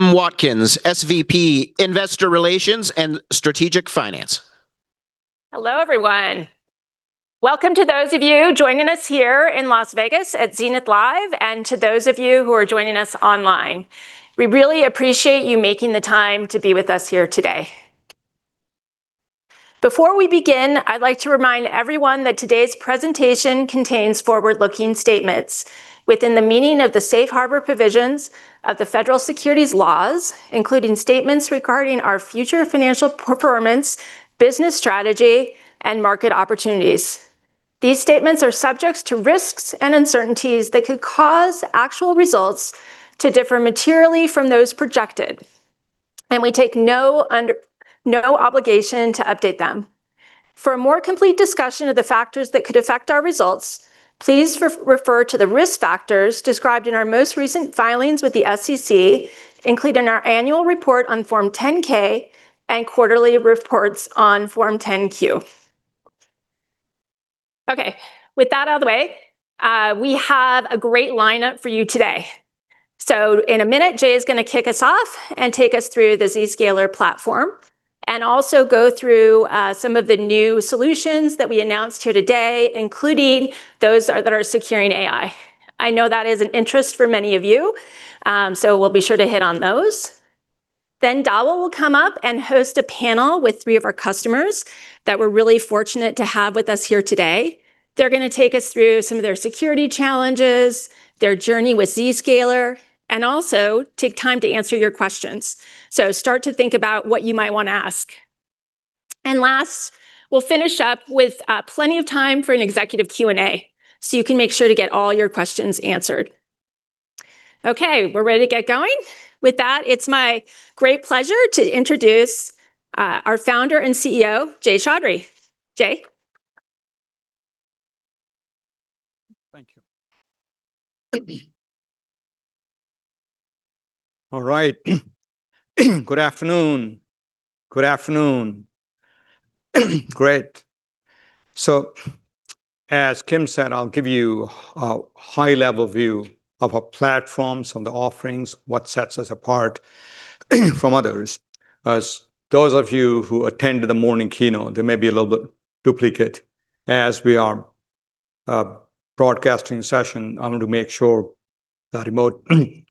Watkins, SVP, Investor Relations and Strategic Finance. Hello, everyone. Welcome to those of you joining us here in Las Vegas at Zenith Live, and to those of you who are joining us online. We really appreciate you making the time to be with us here today. Before we begin, I'd like to remind everyone that today's presentation contains forward-looking statements within the meaning of the safe harbor provisions of the federal securities laws, including statements regarding our future financial performance, business strategy, and market opportunities. These statements are subject to risks and uncertainties that could cause actual results to differ materially from those projected. We take no obligation to update them. For a more complete discussion of the factors that could affect our results, please refer to the risk factors described in our most recent filings with the SEC, including our annual report on Form 10-K and quarterly reports on Form 10-Q. Okay. With that out of the way, we have a great lineup for you today. In a minute, Jay is going to kick us off and take us through the Zscaler platform and also go through some of the new solutions that we announced here today, including those that are securing AI. I know that is an interest for many of you, so we'll be sure to hit on those. Then Dhawal will come up and host a panel with three of our customers that we're really fortunate to have with us here today. They're going to take us through some of their security challenges, their journey with Zscaler, and also take time to answer your questions. Start to think about what you might want to ask. Last, we'll finish up with plenty of time for an executive Q&A so you can make sure to get all your questions answered. Okay, we're ready to get going. With that, it's my great pleasure to introduce our Founder and CEO, Jay Chaudhry. Jay? Thank you. All right. Good afternoon. Great. As Kim said, I'll give you a high-level view of our platforms, on the offerings, what sets us apart from others. As those of you who attended the morning keynote, there may be a little bit duplicate. As we are broadcasting session, I want to make sure the remote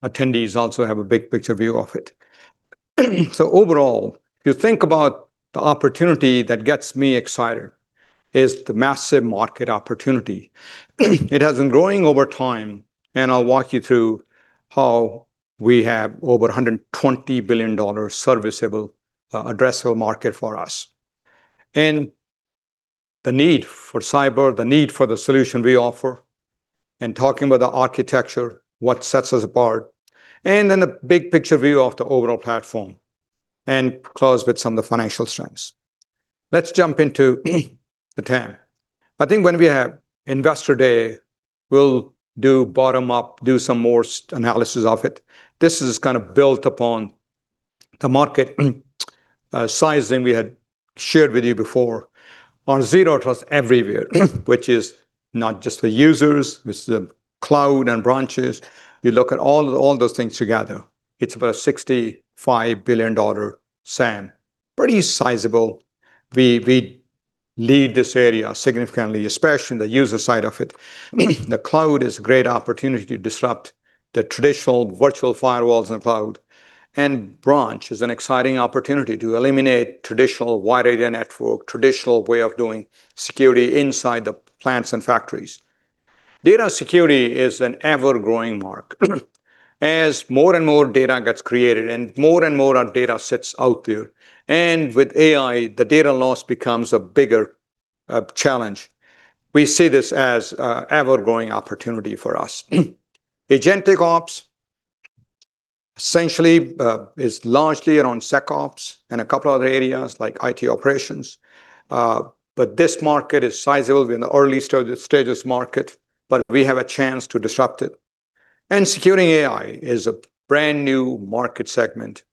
attendees also have a big picture view of it. Overall, you think about the opportunity that gets me excited is the massive market opportunity. It has been growing over time, and I'll walk you through how we have over $120 billion serviceable addressable market for us. The need for cyber, the need for the solution we offer, talking about the architecture, what sets us apart, the big picture view of the overall platform, and close with some of the financial strengths. Let's jump into the TAM. I think when we have Investor Day, we'll do bottom up, do some more analysis of it. This is kind of built upon the market sizing we had shared with you before on Zero Trust Everywhere, which is not just the users, it's the cloud and branches. You look at all those things together, it's about a $65 billion SAM, pretty sizable. We lead this area significantly, especially in the user side of it. The cloud is a great opportunity to disrupt the traditional virtual firewalls in the cloud. Branch is an exciting opportunity to eliminate traditional wide area network, traditional way of doing security inside the plants and factories. Data security is an ever-growing market. As more and more data gets created and more and more data sits out there, with AI, the data loss becomes a bigger challenge. We see this as an ever-growing opportunity for us. Agentic ops essentially is largely around SecOps and a couple other areas like IT operations. This market is sizable in the early stages market, but we have a chance to disrupt it. Securing AI is a brand new market segment.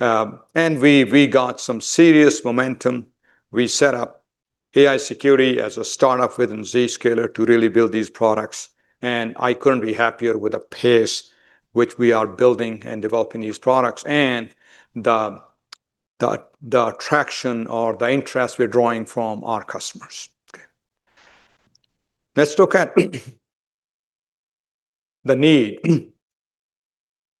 We got some serious momentum. We set up AI security as a startup within Zscaler to really build these products. I couldn't be happier with the pace which we are building and developing these products and the traction or the interest we're drawing from our customers. Let's look at the need.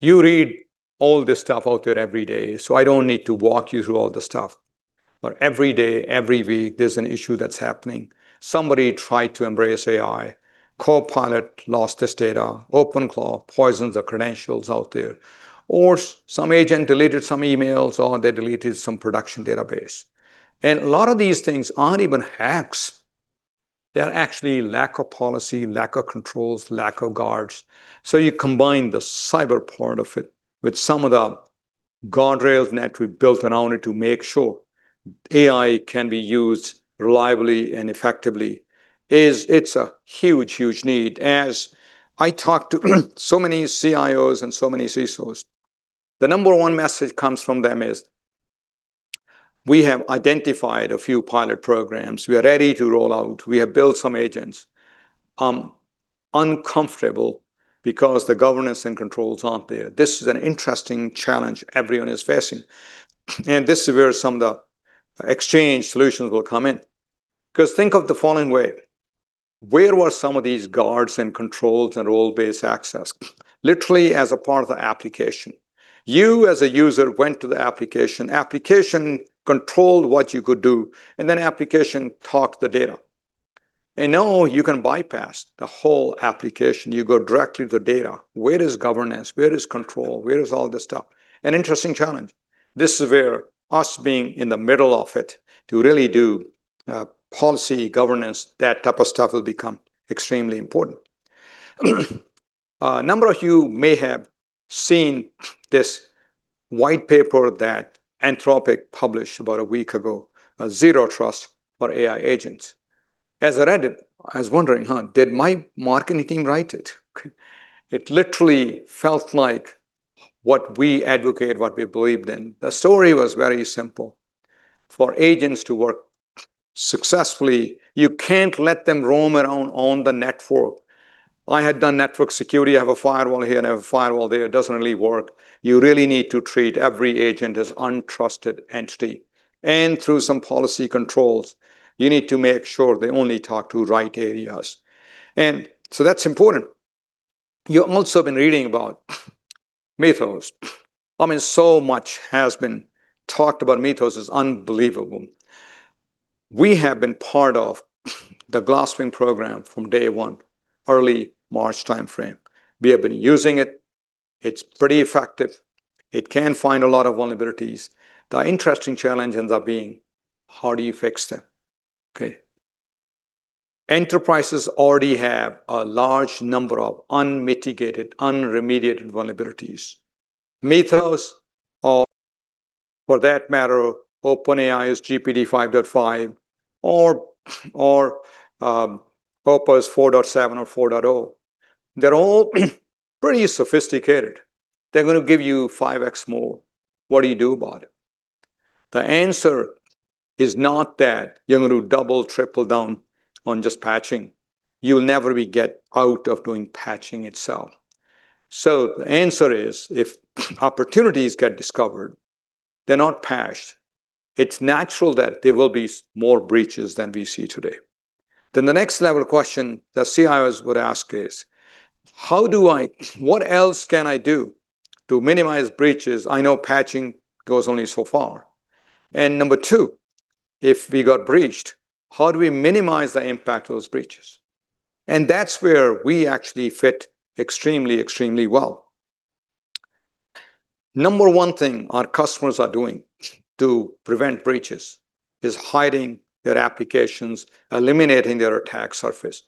You read all this stuff out there every day, so I don't need to walk you through all the stuff. Every day, every week, there's an issue that's happening. Somebody tried to embrace AI. Copilot lost this data. OpenClaw poisons the credentials out there. Some agent deleted some emails, or they deleted some production database. A lot of these things aren't even hacks. They're actually lack of policy, lack of controls, lack of guards. You combine the cyber part of it with some of the guardrails naturally built around it to make sure AI can be used reliably and effectively. It's a huge need. As I talk to so many CIOs and so many CISOs, the number one message comes from them is, we have identified a few pilot programs. We are ready to roll out. We have built some agents. I'm uncomfortable because the governance and controls aren't there. This is an interesting challenge everyone is facing. This is where some of the exchange solutions will come in. Think of the following way. Where were some of these guards and controls and role-based access? Literally as a part of the application. You, as a user, went to the application. Application controlled what you could do. Application parked the data. Now you can bypass the whole application. You go directly to the data. Where is governance? Where is control? Where is all this stuff? An interesting challenge. This is where us being in the middle of it to really do policy governance, that type of stuff will become extremely important. A number of you may have seen this white paper that Anthropic published about a week ago, "Zero Trust for AI Agents." As I read it, I was wondering, huh, did my marketing team write it? It literally felt like what we advocate, what we believed in. The story was very simple. For agents to work successfully, you can't let them roam around on the network. I had done network security. I have a firewall here and I have a firewall there. It doesn't really work. You really need to treat every agent as untrusted entity. Through some policy controls, you need to make sure they only talk to right areas. That's important. You've also been reading about Mythos. So much has been talked about Mythos, it's unbelievable. We have been part of the Glasswing program from day one, early March timeframe. We have been using it. It's pretty effective. It can find a lot of vulnerabilities. The interesting challenge ends up being, how do you fix them? Enterprises already have a large number of unmitigated, un-remediated vulnerabilities. Mythos, or for that matter, OpenAI's GPT 5.5 or Opus 4.7 or 4.0, they're all pretty sophisticated. They're going to give you 5x more. What do you do about it? The answer is not that you're going to double, triple down on just patching. You'll never get out of doing patching itself. The answer is, if opportunities get discovered, they're not patched, it's natural that there will be more breaches than we see today. The next level of question the CIOs would ask is, what else can I do to minimize breaches? I know patching goes only so far. Number two, if we got breached, how do we minimize the impact of those breaches? That's where we actually fit extremely well. Number one thing our customers are doing to prevent breaches is hiding their applications, eliminating their attack surface.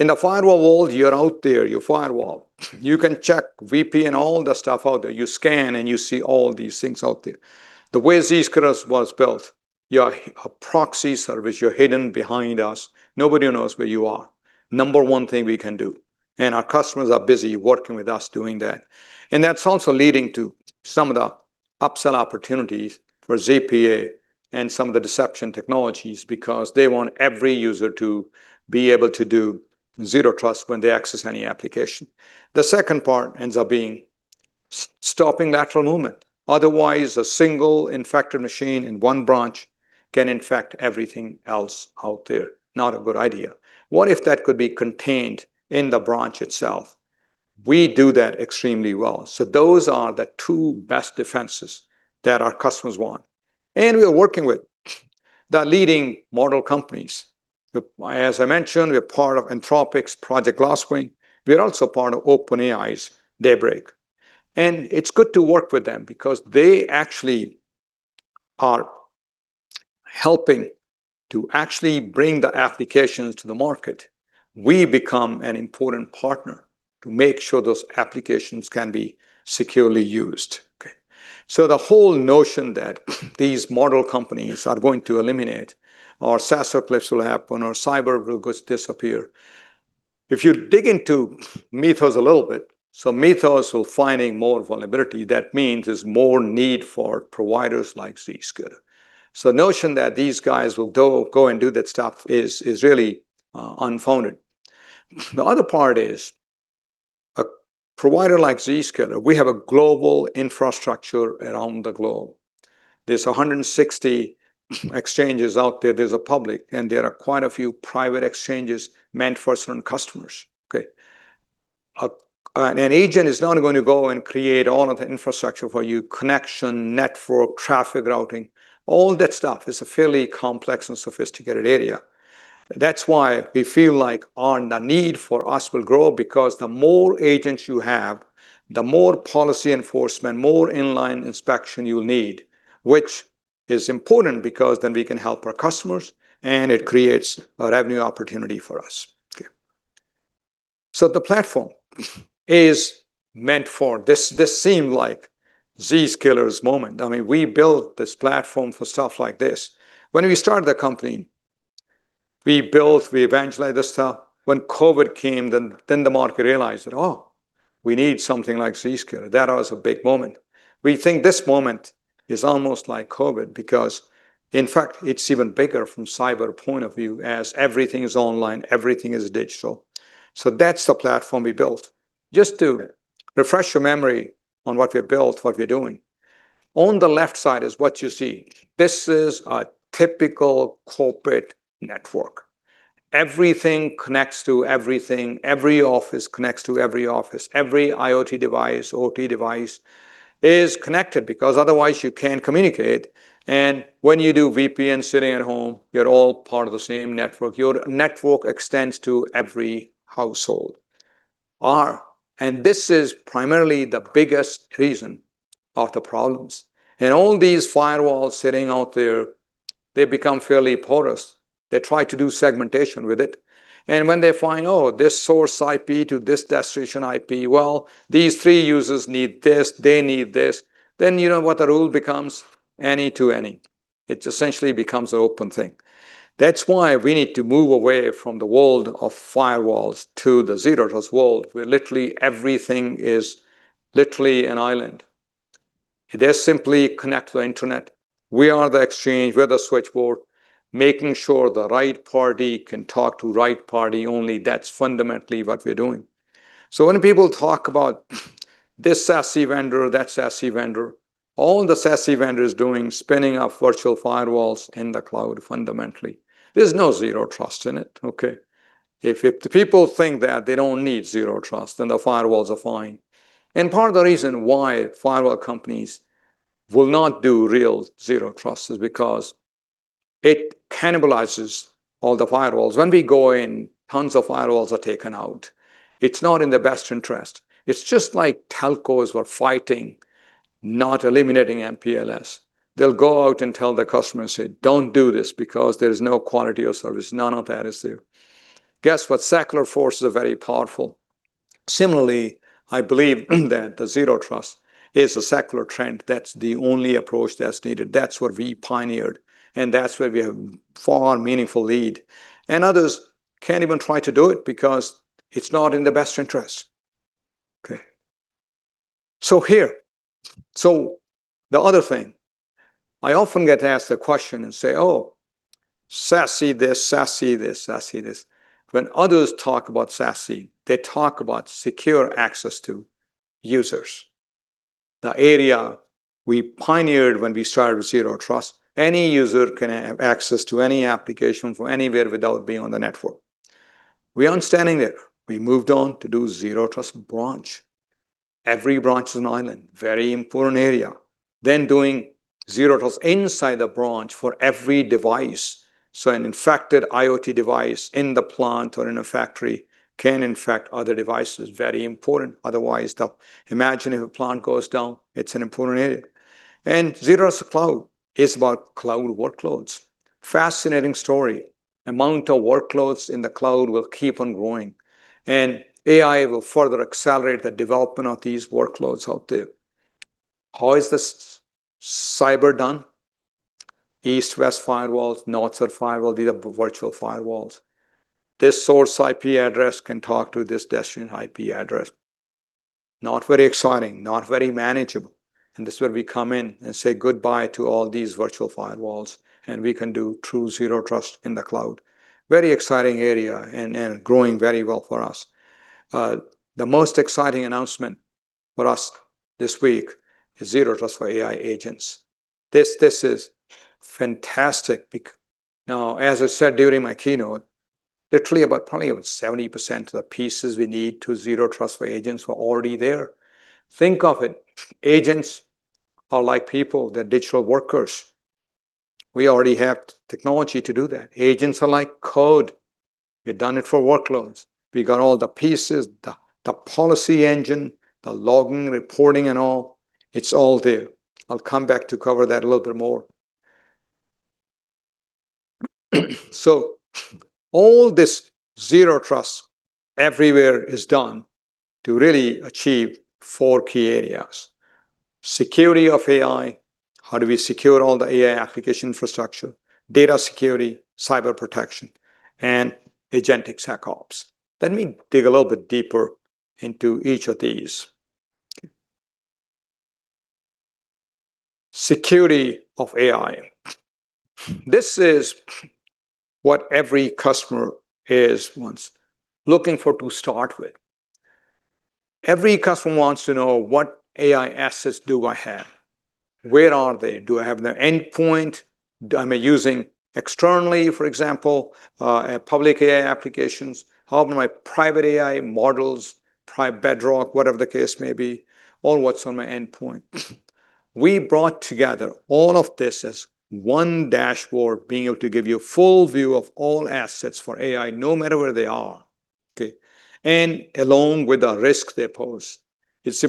In the firewall world, you're out there, you firewall. You can check VPN, all the stuff out there. You scan, you see all these things out there. The way Zscaler was built, you're a proxy service. You're hidden behind us. Nobody knows where you are. Number one thing we can do, our customers are busy working with us doing that. That's also leading to some of the upsell opportunities for ZPA and some of the deception technologies, because they want every user to be able to do Zero Trust when they access any application. The second part ends up being stopping lateral movement. Otherwise, a single infected machine in one branch can infect everything else out there. Not a good idea. What if that could be contained in the branch itself? We do that extremely well. Those are the two best defenses that our customers want. We are working with the leading model companies. As I mentioned, we're part of Anthropic's Project Glasswing. We're also part of OpenAI's Daybreak. It's good to work with them because they actually are helping to bring the applications to the market. We become an important partner to make sure those applications can be securely used. Okay. The whole notion that these model companies are going to eliminate, or SaaS uplift will happen, or cyber will disappear. If you dig into Mythos a little bit, Mythos will finding more vulnerability. That means there's more need for providers like Zscaler. The notion that these guys will go and do that stuff is really unfounded. The other part is, a provider like Zscaler, we have a global infrastructure around the globe. There's 160 exchanges out there. There's a public, and there are quite a few private exchanges meant for certain customers. Okay. An agent is not going to go and create all of the infrastructure for you, connection, network, traffic routing, all that stuff. It's a fairly complex and sophisticated area. That's why we feel like the need for us will grow, because the more agents you have, the more policy enforcement, more inline inspection you need, which is important because then we can help our customers and it creates a revenue opportunity for us. Okay. The platform is meant for, this seemed like Zscaler's moment. We built this platform for stuff like this. We built, we evangelized this stuff. When COVID came, the market realized that, "Oh, we need something like Zscaler." That was a big moment. We think this moment is almost like COVID because, in fact, it's even bigger from cyber point of view as everything is online, everything is digital. That's the platform we built. Just to refresh your memory on what we built, what we're doing. On the left side is what you see. This is a typical corporate network. Everything connects to everything. Every office connects to every office. Every IoT device, OT device is connected because otherwise you can't communicate. When you do VPN sitting at home, you're all part of the same network. Your network extends to every household. This is primarily the biggest reason of the problems. All these firewalls sitting out there, they become fairly porous. They try to do segmentation with it. When they find, oh, this source IP to this destination IP, well, these three users need this, they need this, then you know what the rule becomes? Any to any. It essentially becomes an open thing. That's why we need to move away from the world of firewalls to the zero trust world, where literally everything is literally an island. They simply connect to the internet. We are the exchange. We are the switchboard, making sure the right party can talk to right party only. That's fundamentally what we're doing. When people talk about this SASE vendor or that SASE vendor, all the SASE vendor is doing spinning up virtual firewalls in the cloud, fundamentally. There's no zero trust in it, okay? If the people think that they don't need zero trust, then the firewalls are fine. Part of the reason why firewall companies will not do real zero trust is because it cannibalizes all the firewalls. When we go in, tons of firewalls are taken out. It's not in their best interest. It's just like telcos were fighting, not eliminating MPLS. They'll go out and tell their customers, say, "Don't do this because there's no quality of service." None of that is there. Guess what? Secular forces are very powerful. Similarly, I believe that the Zero Trust is a secular trend. That's the only approach that's needed. That's what we pioneered, that's where we have far meaningful lead. Others can't even try to do it because it's not in their best interest. Here. The other thing, I often get asked the question and say, "Oh, SASE this, SASE this, SASE this." When others talk about SASE, they talk about secure access to users. The area we pioneered when we started with Zero Trust, any user can have access to any application from anywhere without being on the network. We aren't standing there. We moved on to do Zero Trust Branch. Every branch is an island, very important area. Doing Zero Trust inside the branch for every device. An infected IoT device in the plant or in a factory can infect other devices. Very important. Otherwise, imagine if a plant goes down, it's an important area. Zero Trust Cloud is about cloud workloads. Fascinating story. Amount of workloads in the cloud will keep on growing, and AI will further accelerate the development of these workloads out there. How is this cyber done? East-West firewalls, North-South firewall, these are virtual firewalls. This source IP address can talk to this destination IP address. Not very exciting, not very manageable. This is where we come in and say goodbye to all these virtual firewalls, and we can do true Zero Trust in the cloud. Very exciting area and growing very well for us. The most exciting announcement for us this week is Zero Trust for AI Agents. This is fantastic. As I said during my keynote, literally about probably about 70% of the pieces we need to Zero Trust for agents were already there. Think of it. Agents are like people. They're digital workers. We already have technology to do that. Agents are like code. We've done it for workloads. We got all the pieces, the policy engine, the logging, reporting and all. It's all there. I'll come back to cover that a little bit more. All this Zero Trust Everywhere is done to really achieve four key areas. Security of AI, how do we secure all the AI application infrastructure, data security, cyber protection, and Agentic SecOps. Let me dig a little bit deeper into each of these. Security of AI. This is what every customer is, wants, looking for to start with. Every customer wants to know what AI assets do I have? Where are they? Do I have the endpoint? Am I using externally, for example, public AI applications? How are my private AI models, private Bedrock, whatever the case may be, or what's on my endpoint? We brought together all of this as one dashboard, being able to give you a full view of all assets for AI, no matter where they are, and along with the risk they pose. It's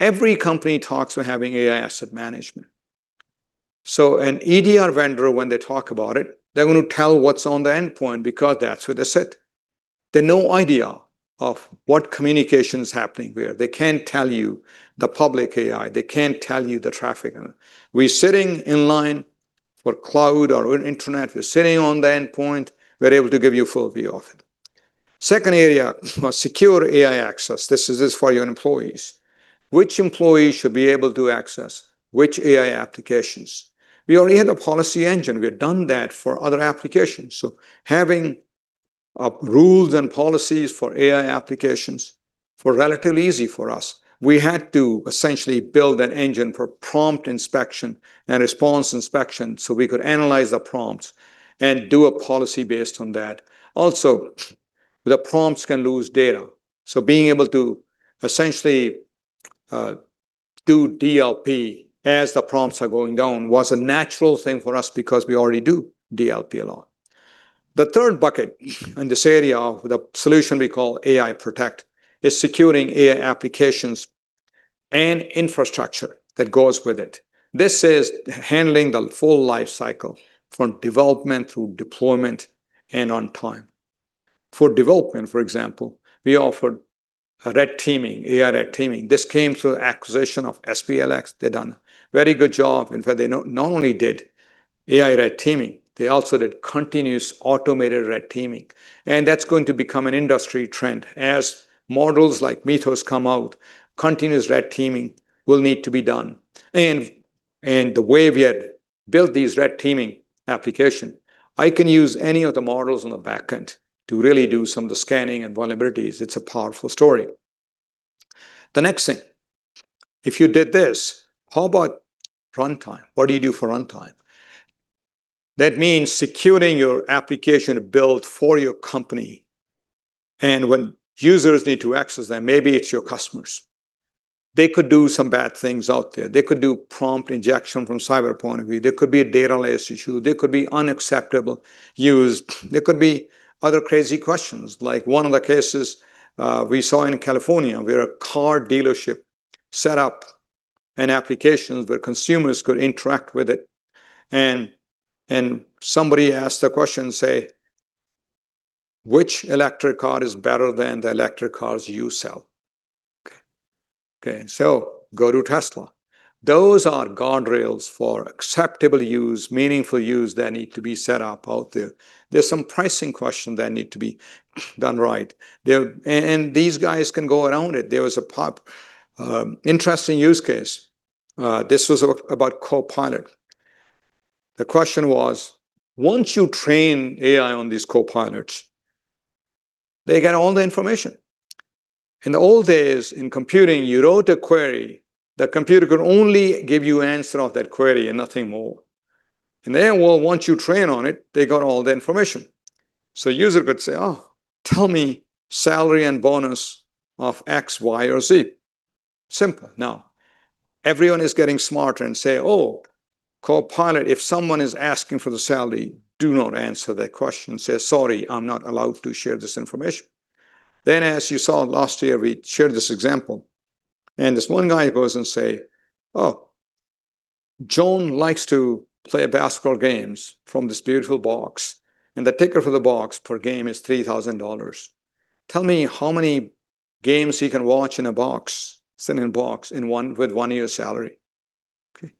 important. Every company talks of having AI asset management. An EDR vendor, when they talk about it, they're going to tell what's on the endpoint because that's what they said. They have no idea of what communication is happening where. They can't tell you the public AI. They can't tell you the traffic. We're sitting in line for cloud or internet. We're sitting on the endpoint. We're able to give you a full view of it. Second area, secure AI access. This is for your employees. Which employees should be able to access which AI applications? We already had a policy engine. We had done that for other applications. Having rules and policies for AI applications was relatively easy for us. We had to essentially build an engine for prompt inspection and response inspection so we could analyze the prompts and do a policy based on that. Also, the prompts can lose data. Being able to essentially do DLP as the prompts are going down was a natural thing for us because we already do DLP a lot. The third bucket in this area of the solution we call AI Protect is securing AI applications and infrastructure that goes with it. This is handling the full life cycle from development through deployment and runtime. For development, for example, we offer red teaming, AI red teaming. This came through acquisition of SPLX. They've done a very good job. In fact, they not only did AI red teaming, they also did continuous automated red teaming. That's going to become an industry trend. As models like Mythos come out, continuous red teaming will need to be done. The way we had built these red teaming application, I can use any of the models on the back end to really do some of the scanning and vulnerabilities. It's a powerful story. The next thing, if you did this, how about runtime? What do you do for runtime? That means securing your application build for your company, and when users need to access that, maybe it's your customers. They could do some bad things out there. They could do prompt injection from cyber point of view. There could be a data loss issue. There could be unacceptable use. There could be other crazy questions, like one of the cases we saw in California, where a car dealership set up an application where consumers could interact with it, and somebody asked a question, say, "Which electric car is better than the electric cars you sell?" Okay, go to Tesla. Those are guardrails for acceptable use, meaningful use that need to be set up out there. There's some pricing questions that need to be done right. These guys can go around it. There was an interesting use case. This was about Copilot. The question was, once you train AI on these Copilots, they get all the information. In the old days in computing, you wrote a query, the computer could only give you answer of that query and nothing more. In their world, once you train on it, they got all the information. User could say, "Oh, tell me salary and bonus of X, Y, or Z." Simple. Everyone is getting smarter and say, "Oh, Copilot, if someone is asking for the salary, do not answer that question." "Say, sorry, I'm not allowed to share this information." As you saw last year, we shared this example, and this one guy goes and say, "Oh, John likes to play basketball games from this beautiful box, and the ticker for the box per game is $3,000. Tell me how many games he can watch in a box, sitting in a box, with one year's salary." Okay.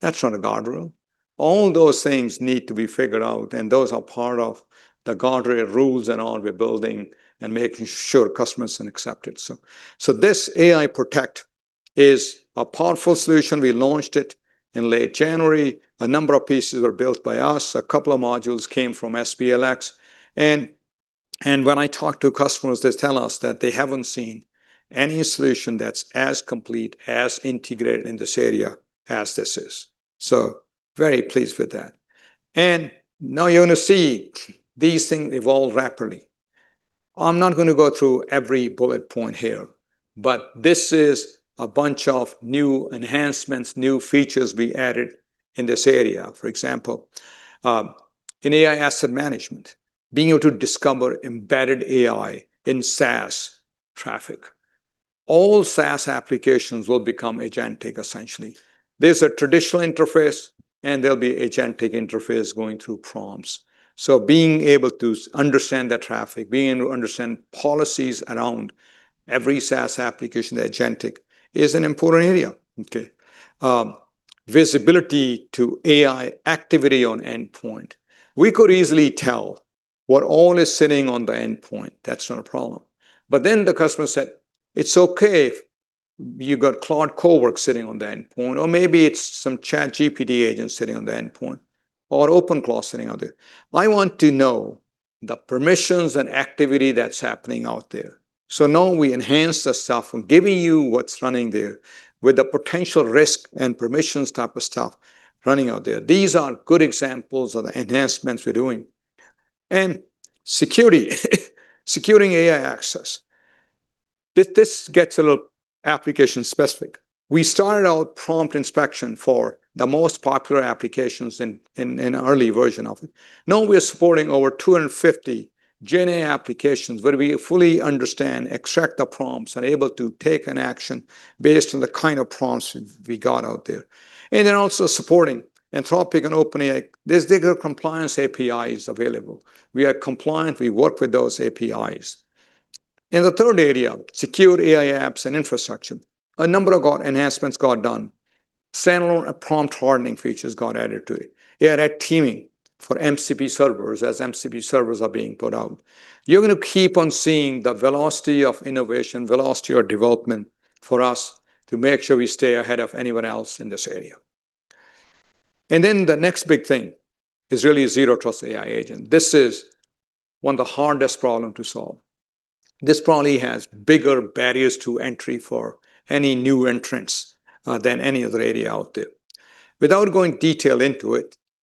That's not a guardrail. All those things need to be figured out, those are part of the guardrail rules and all we're building and making sure customers can accept it. This AI Protect is a powerful solution. We launched it in late January. A number of pieces were built by us. A couple of modules came from SPLX. When I talk to customers, they tell us that they haven't seen any solution that's as complete, as integrated in this area as this is. Very pleased with that. Now you're going to see these things evolve rapidly. I'm not going to go through every bullet point here, but this is a bunch of new enhancements, new features we added in this area. For example, in AI asset management, being able to discover embedded AI in SaaS traffic. All SaaS applications will become agentic, essentially. There's a traditional interface, and there'll be agentic interface going through prompts. Being able to understand that traffic, being able to understand policies around every SaaS application, that agentic is an important area. Okay. Visibility to AI activity on endpoint. We could easily tell what all is sitting on the endpoint. That's not a problem. The customer said, "It's okay if you got Claude Cowork sitting on the endpoint, or maybe it's some ChatGPT agent sitting on the endpoint, or OpenClaw sitting out there." I want to know the permissions and activity that's happening out there. Now we enhance the stuff from giving you what's running there with the potential risk and permissions type of stuff running out there. These are good examples of the enhancements we're doing. Security, securing AI access. This gets a little application specific. We started out prompt inspection for the most popular applications in an early version of it. Now we are supporting over 250 GenAI applications where we fully understand, extract the prompts, and able to take an action based on the kind of prompts we got out there. Also supporting Anthropic and OpenAI. There's bigger compliance APIs available. We are compliant. We work with those APIs. In the third area, secure AI apps and infrastructure, a number of enhancements got done. Standalone prompt hardening features got added to it. AI red teaming for MCP servers as MCP servers are being put out. You're going to keep on seeing the velocity of innovation, velocity of development for us to make sure we stay ahead of anyone else in this area. The next big thing is really Zero Trust AI Agent. This is one of the hardest problems to solve. This probably has bigger barriers to entry for any new entrants than any other area out there. Without going detail into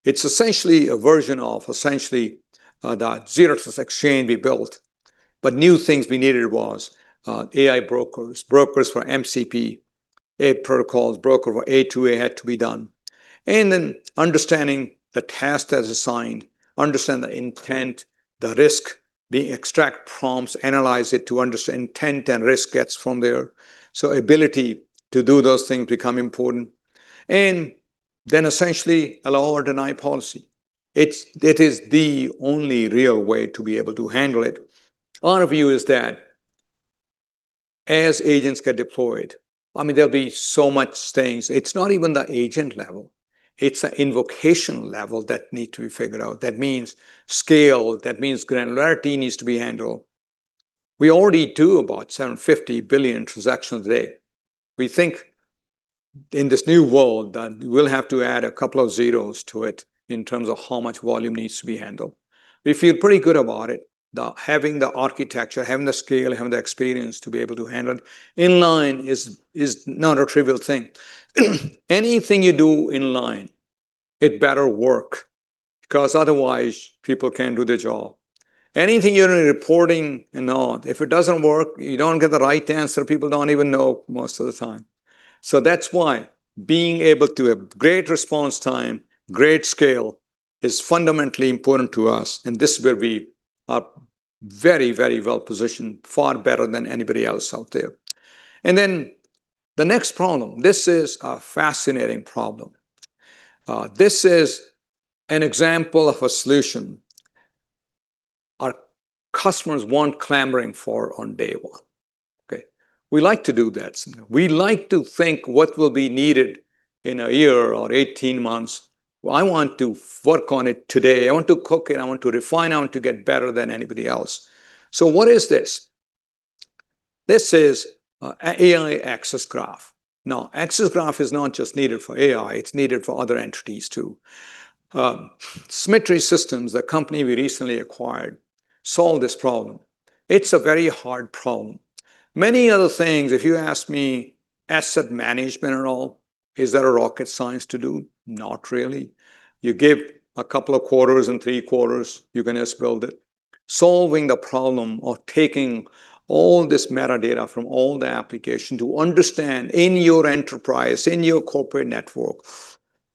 it's essentially a version of essentially that Zero Trust Exchange we built, but new things we needed was AI Brokers, brokers for MCP, AI protocols, broker for A2A had to be done. Understanding the task as assigned, understand the intent, the risk, being able to extract prompts, analyze it to understand intent and risk gets from there. Ability to do those things become important. Essentially allow or deny policy. It is the only real way to be able to handle it. Our view is that as agents get deployed, there'll be so much things. It's not even the agent level, it's an invocation level that need to be figured out. That means scale, that means granularity needs to be handled. We already do about 750 billion transactions a day. We think in this new world that we'll have to add a couple of zeros to it in terms of how much volume needs to be handled. We feel pretty good about it. Having the architecture, having the scale, having the experience to be able to handle it. Inline is not a trivial thing. Anything you do inline, it better work, because otherwise people can't do their job. Anything you're reporting and on, if it doesn't work, you don't get the right answer, people don't even know most of the time. That's why being able to have great response time, great scale, is fundamentally important to us, and this is where we are very well positioned, far better than anybody else out there. The next problem, this is a fascinating problem. This is an example of a solution our customers weren't clamoring for on day one. Okay. We like to do that. We like to think what will be needed in a year or 18 months. I want to work on it today. I want to cook it. I want to refine. I want to get better than anybody else. What is this? This is AI Access Graph. Now, Access Graph is not just needed for AI, it's needed for other entities, too. Symmetry Systems, the company we recently acquired, solved this problem. It's a very hard problem. Many other things, if you ask me, asset management and all, is that a rocket science to do? Not really. You give a couple of quarters and three quarters, you can just build it. Solving the problem of taking all this metadata from all the application to understand in your enterprise, in your corporate network,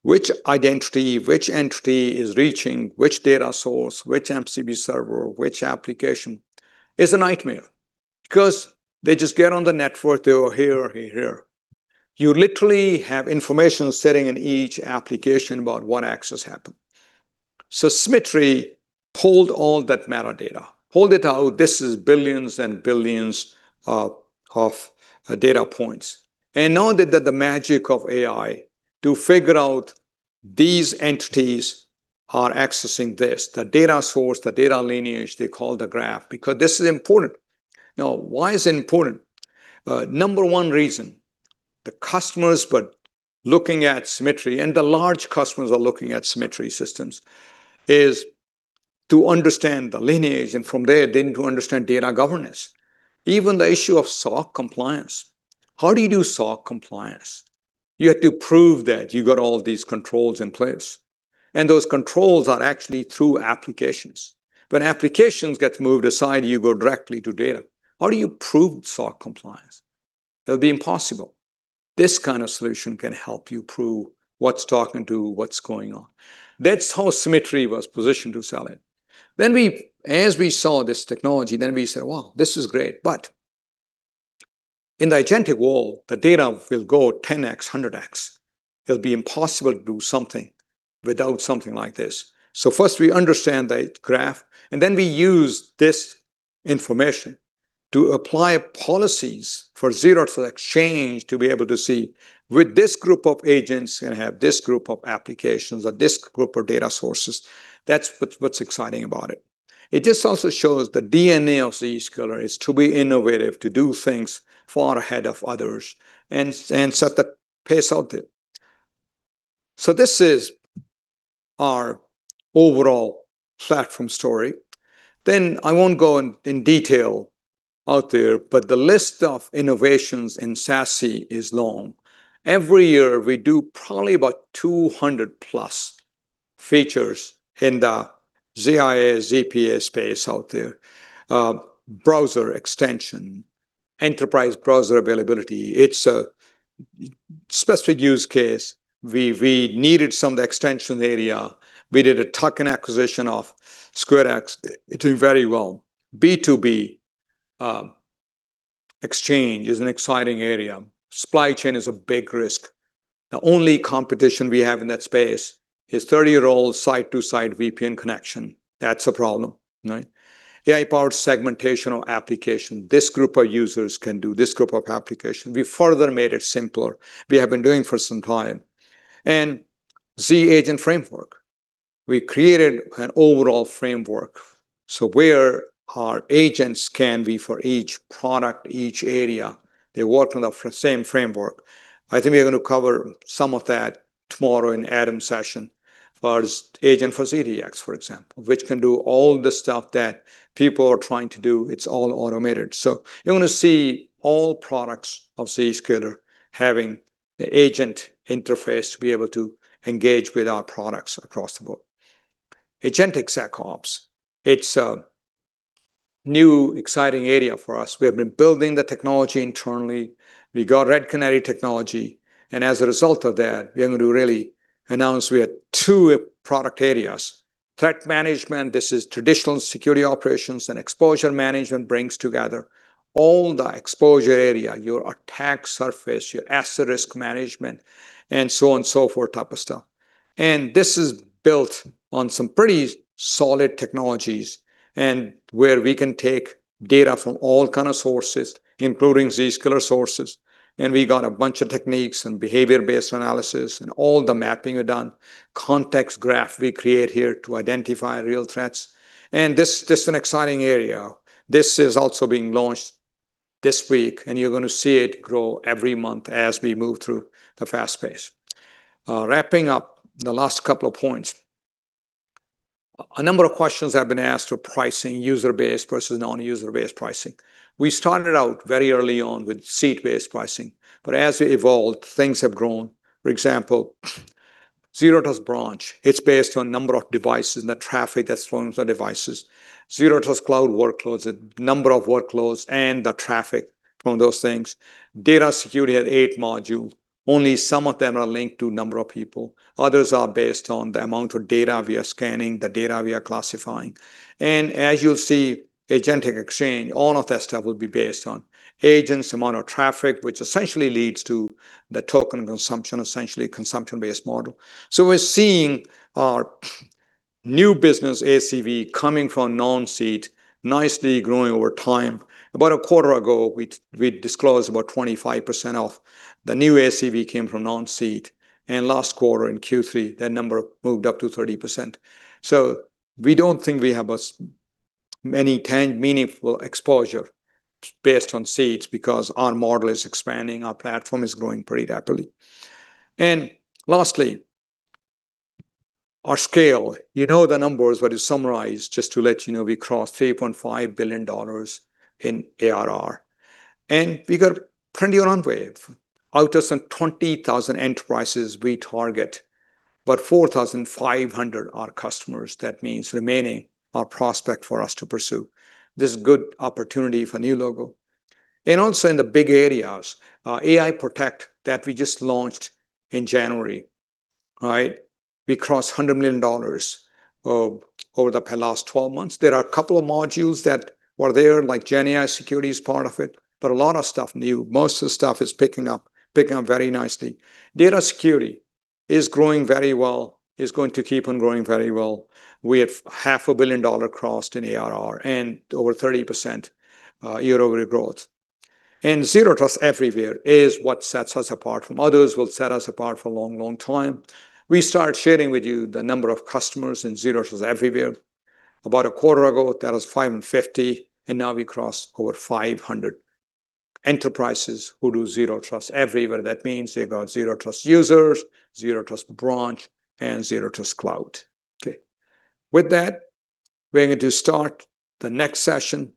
which identity, which entity is reaching which data source, which MCP server, which application, is a nightmare. Because they just get on the network, they are here or you're here. You literally have information sitting in each application about what access happened. Symmetry pulled all that metadata, pulled it out. This is billions and billions of data points. Now that the magic of AI to figure out these entities are accessing this, the data source, the data lineage, they call the graph, because this is important. Now, why is it important? Number one reason, the customers were looking at Symmetry, and the large customers are looking at Symmetry Systems, is to understand the lineage, and from there then to understand data governance. Even the issue of SOC compliance. How do you do SOC compliance? You have to prove that you got all these controls in place. Those controls are actually through applications. When applications get moved aside, you go directly to data. How do you prove SOC compliance? That would be impossible. This kind of solution can help you prove what's talking to what's going on. That's how Symmetry was positioned to sell it. As we saw this technology, we said, "Wow, this is great." In the agentic world, the data will go 10X, 100X. It'll be impossible to do something without something like this. First we understand the graph, we use this information to apply policies for Zero Trust Exchange to be able to see with this group of agents, and have this group of applications or this group of data sources. That's what's exciting about it. It just also shows the DNA of Zscaler is to be innovative, to do things far ahead of others, and set the pace out there. This is our overall platform story. I won't go in detail out there, but the list of innovations in SASE is long. Every year, we do probably about 200+ features in the ZIA, ZPA space out there. Browser extension, enterprise browser availability. It's a specific use case. We needed some of the extension area. We did a tuck-in acquisition of SquareX. It did very well. B2B Exchange is an exciting area. Supply chain is a big risk. The only competition we have in that space is 30-year-old site-to-site VPN connection. That's a problem. AI-powered segmentation or application. This group of users can do this group of application. We further made it simpler. We have been doing for some time. Z-Agent framework. We created an overall framework, where our agents can be for each product, each area, they work on the same framework. I think we are going to cover some of that tomorrow in Adam's session. As far as agent for ZDX, for example, which can do all the stuff that people are trying to do. It's all automated. You're going to see all products of Zscaler having the agent interface to be able to engage with our products across the board. Agentic SecOps, it's a new, exciting area for us. We have been building the technology internally. We got Red Canary technology, as a result of that, we are going to really announce we have two product areas. Threat management, this is traditional security operations, exposure management brings together all the exposure area, your attack surface, your asset risk management, and so on and so forth, type of stuff. This is built on some pretty solid technologies where we can take data from all kind of sources, including Zscaler sources, we got a bunch of techniques and behavior-based analysis and all the mapping are done, context graph we create here to identify real threats. This is an exciting area. This is also being launched this week, you're going to see it grow every month as we move through the fast pace. Wrapping up the last couple of points, a number of questions have been asked for pricing, user-based versus non-user-based pricing. We started out very early on with seat-based pricing, as we evolved, things have grown. For example, Zero Trust Branch, it's based on number of devices and the traffic that's from the devices. Zero Trust Cloud workloads, the number of workloads and the traffic from those things. Data Security had eight module. Only some of them are linked to a number of people. Others are based on the amount of data they are scanning, the data they are classifying. As you'll see, Agentic Exchange, all of that stuff will be based on agents, amount of traffic, which essentially leads to the token consumption, essentially consumption-based model. We're seeing our new business ACV coming from non-seat nicely growing over time. About a quarter ago, we disclosed about 25% of the new ACV came from non-seat, last quarter in Q3, that number moved up to 30%. We don't think we have as many meaningful exposure based on seats because our model is expanding, our platform is growing pretty rapidly. Lastly, our scale. You know the numbers, but to summarize, just to let you know, we crossed $3.5 billion in ARR. We got plenty of runway. Out of some 20,000 enterprises we target, about 4,500 are customers. That means remaining are prospect for us to pursue. There's good opportunity for new logo. Also in the big areas, AI Protect that we just launched in January. We crossed $100 million over the last 12 months. There are a couple of modules that were there, like GenAI Security is part of it, but a lot of stuff new. Most of the stuff is picking up very nicely. Data security is growing very well, is going to keep on growing very well. We have half a billion dollar crossed in ARR and over 30% year-over-year growth. Zero Trust Everywhere is what sets us apart from others, will set us apart for a long, long time. We started sharing with you the number of customers in Zero Trust Everywhere. About a quarter ago, that was 550, and now we crossed over 500 enterprises who do Zero Trust Everywhere. That means they got Zero Trust users, Zero Trust Branch, and Zero Trust Cloud. With that, we're going to start the next session,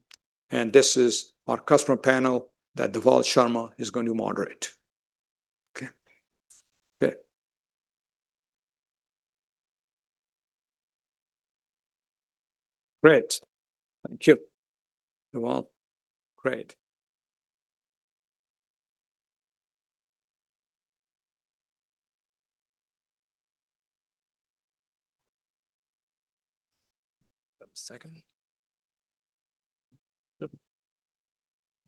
this is our customer panel that Dhawal Sharma is going to moderate. Okay. Good. Great. Thank you. Dhawal. Great. One second.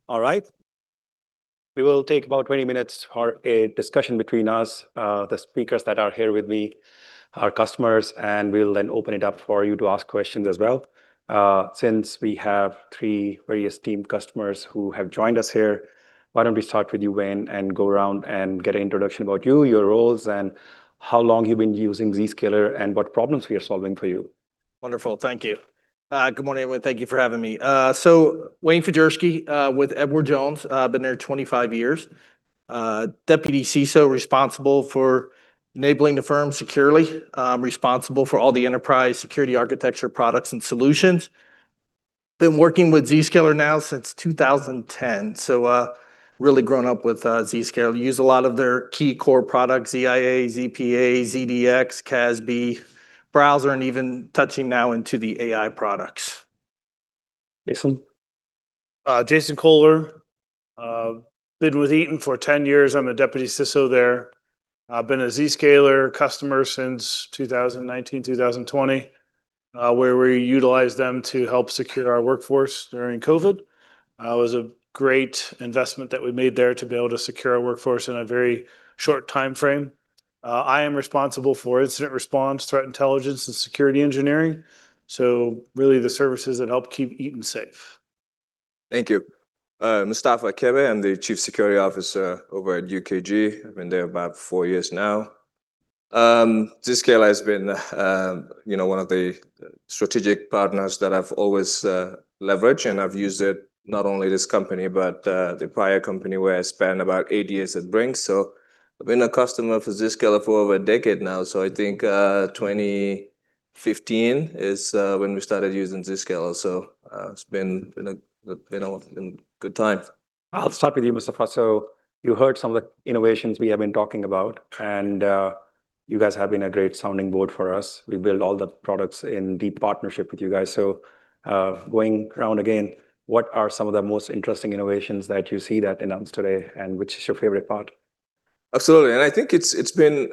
All right. We will take about 20 minutes for a discussion between us, the speakers that are here with me, our customers, we'll then open it up for you to ask questions as well. Since we have three very esteemed customers who have joined us here, why don't we start with you, Wayne, go around get an introduction about you, your roles, how long you've been using Zscaler, what problems we are solving for you. Wonderful. Thank you. Good morning, everyone. Thank you for having me. Wayne Fajerski, with Edward Jones. Been there 25 years. Deputy CISO responsible for enabling the firm securely. I'm responsible for all the enterprise security architecture products and solutions. Been working with Zscaler now since 2010, really grown up with Zscaler. Use a lot of their key core products, ZIA, ZPA, ZDX, CASB, Browser, even touching now into the AI products. Jason. Jason Koler. Been with Eaton for 10 years. I'm the Deputy CISO there. I've been a Zscaler customer since 2019, 2020, where we utilized them to help secure our workforce during COVID. It was a great investment that we made there to be able to secure our workforce in a very short timeframe. I am responsible for incident response, threat intelligence, and security engineering. Really the services that help keep Eaton safe. Thank you. Mustapha Kebbeh, I'm the Chief Security Officer over at UKG. I've been there about four years now. Zscaler has been one of the strategic partners that I've always leveraged, and I've used it not only this company, but the prior company where I spent about eight years at Ring. I've been a customer for Zscaler for over a decade now. I think 2015 is when we started using Zscaler. It's been a good time. I'll start with you, Mustapha. You heard some of the innovations we have been talking about, and you guys have been a great sounding board for us. We build all the products in deep partnership with you guys. Going around again, what are some of the most interesting innovations that you see that announced today, and which is your favorite part? Absolutely. I think it's been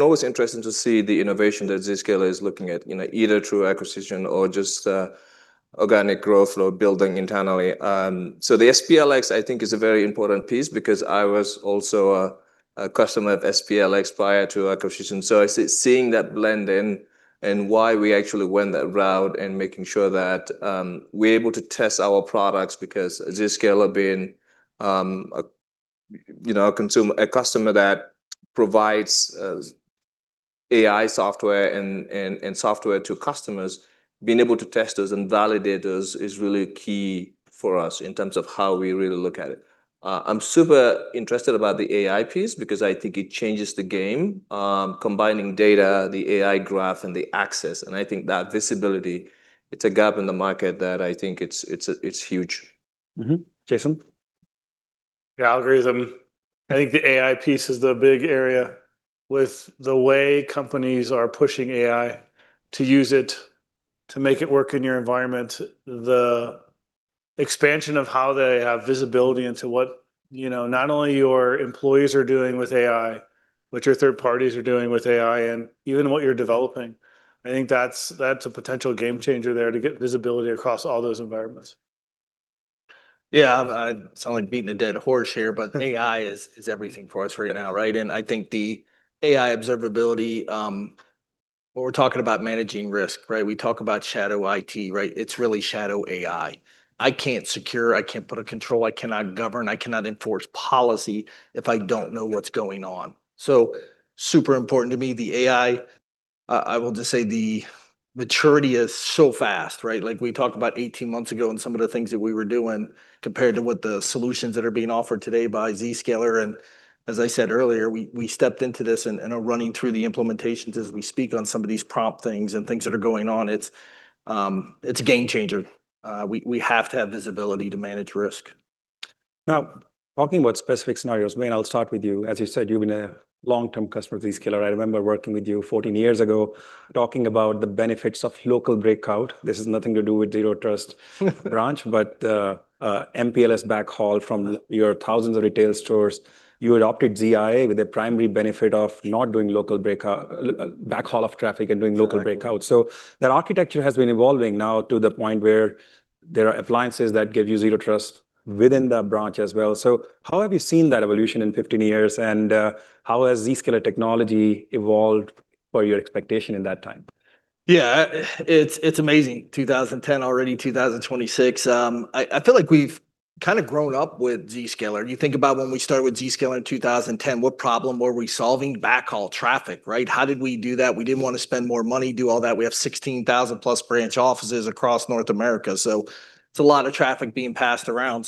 always interesting to see the innovation that Zscaler is looking at, either through acquisition or just organic growth or building internally. The SPLX, I think, is a very important piece because I was also a customer of SPLX prior to acquisition. Seeing that blend in and why we actually went that route and making sure that we're able to test our products because Zscaler being a customer that provides AI software and software to customers, being able to test those and validate those is really key for us in terms of how we really look at it. I'm super interested about the AI piece because I think it changes the game, combining data, the AI graph, and the access. I think that visibility, it's a gap in the market that I think it's huge. Jason? Algorithm. I think the AI piece is the big area with the way companies are pushing AI to use it, to make it work in your environment. The expansion of how they have visibility into what not only your employees are doing with AI, what your third parties are doing with AI, and even what you're developing. I think that's a potential game changer there to get visibility across all those environments. Yeah, I sound like beating a dead horse here, AI is everything for us right now, right? I think the AI observability, when we're talking about managing risk, right, we talk about shadow IT. It's really shadow AI. I can't secure, I can't put a control, I cannot govern, I cannot enforce policy if I don't know what's going on. Super important to me. The AI, I will just say the maturity is so fast, right? Like we talked about 18 months ago and some of the things that we were doing compared to what the solutions that are being offered today by Zscaler. As I said earlier, we stepped into this and are running through the implementations as we speak on some of these prompt things and things that are going on. It's a game changer. We have to have visibility to manage risk. Talking about specific scenarios, Wayne, I'll start with you. As you said, you've been a long-term customer of Zscaler. I remember working with you 14 years ago, talking about the benefits of local breakout. This has nothing to do with Zero Trust Branch, but MPLS backhaul from your thousands of retail stores. You adopted ZIA with the primary benefit of not doing backhaul of traffic and doing local breakout. Exactly. That architecture has been evolving now to the point where there are appliances that give you Zero Trust within the branch as well. How have you seen that evolution in 15 years, and how has Zscaler technology evolved per your expectation in that time? Yeah, it's amazing. 2010, already 2026. I feel like we've kind of grown up with Zscaler. You think about when we started with Zscaler in 2010, what problem were we solving? Backhaul traffic, right? How did we do that? We didn't want to spend more money, do all that. We have 16,000 plus branch offices across North America, it's a lot of traffic being passed around.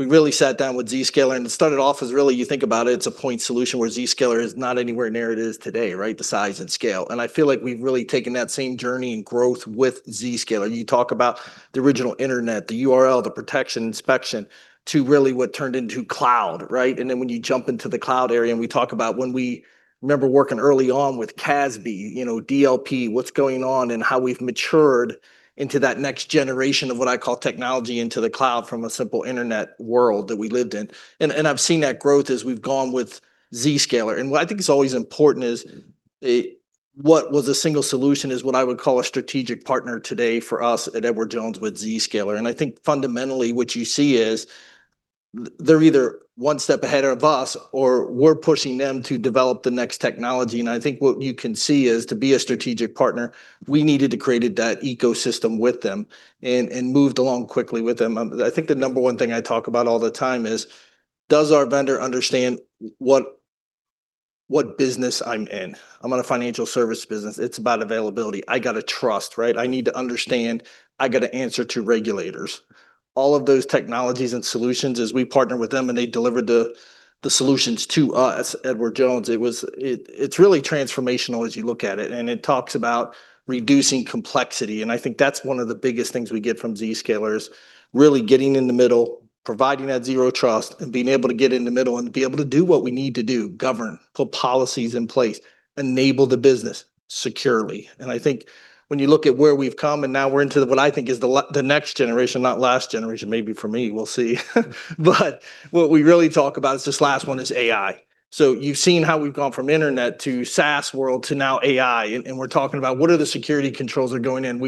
We really sat down with Zscaler and it started off as really, you think about it's a point solution where Zscaler is not anywhere near it is today, right? The size and scale. I feel like we've really taken that same journey and growth with Zscaler. You talk about the original internet, the URL, the protection inspection to really what turned into cloud, right? When you jump into the cloud area and we talk about when we remember working early on with CASB, DLP, what's going on and how we've matured into that next generation of what I call technology into the cloud from a simple internet world that we lived in. I've seen that growth as we've gone with Zscaler. What I think is always important is what was a single solution is what I would call a strategic partner today for us at Edward Jones with Zscaler. I think fundamentally what you see is they're either one step ahead of us or we're pushing them to develop the next technology. I think what you can see is to be a strategic partner, we needed to create that ecosystem with them and moved along quickly with them. I think the number one thing I talk about all the time is does our vendor understand what business I'm in? I'm in a financial service business. It's about availability. I got to trust, right? I need to understand. I got to answer to regulators. All of those technologies and solutions as we partner with them and they delivered the solutions to us, Edward Jones, it's really transformational as you look at it, and it talks about reducing complexity. I think that's one of the biggest things we get from Zscaler is really getting in the middle, providing that Zero Trust, and being able to get in the middle and be able to do what we need to do, govern, put policies in place, enable the business securely. I think when you look at where we've come and now we're into what I think is the next generation, not last generation, maybe for me, we'll see. What we really talk about is this last one is AI. So you've seen how we've gone from internet to SaaS world to now AI, we're talking about what are the security controls are going in.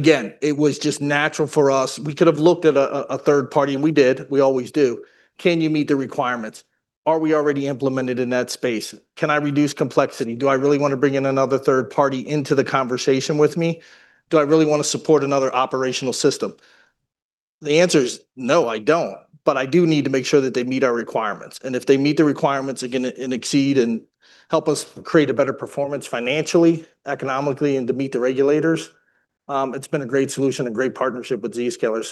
It was just natural for us. We could have looked at a third party, and we did. We always do. Can you meet the requirements? Are we already implemented in that space? Can I reduce complexity? Do I really want to bring in another third party into the conversation with me? Do I really want to support another operational system? The answer is no, I don't, but I do need to make sure that they meet our requirements. If they meet the requirements and exceed and help us create a better performance financially, economically, and to meet the regulators, it's been a great solution, a great partnership with Zscaler.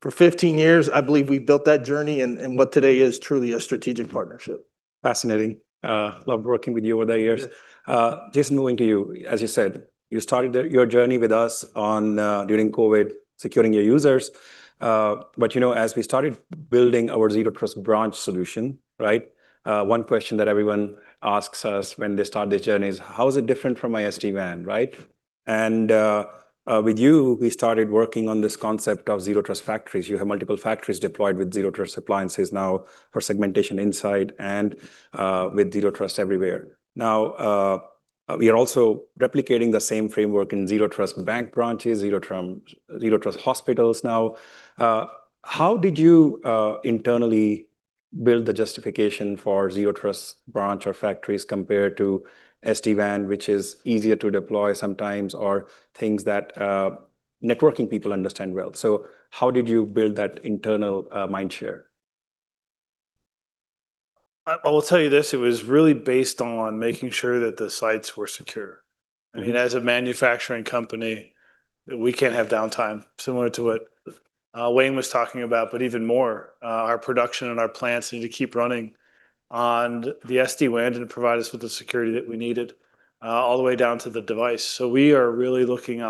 For 15 years, I believe we've built that journey and what today is truly a strategic partnership. Fascinating. Loved working with you over the years. Jason, moving to you. As you said, you started your journey with us during COVID, securing your users. As we started building our Zero Trust Branch solution, right, one question that everyone asks us when they start their journey is: how is it different from my SD-WAN, right? With you, we started working on this concept of Zero Trust factories. You have multiple factories deployed with Zero Trust appliances now for segmentation inside and with Zero Trust Everywhere. We are also replicating the same framework in Zero Trust bank branches, Zero Trust hospitals now. How did you internally build the justification for Zero Trust Branch or factories compared to SD-WAN, which is easier to deploy sometimes, or things that networking people understand well? How did you build that internal mind share? I will tell you this. It was really based on making sure that the sites were secure. As a manufacturing company, we can't have downtime, similar to what Wayne was talking about, but even more. Our production and our plants need to keep running on the SD-WAN, it provided us with the security that we needed all the way down to the device. We are really looking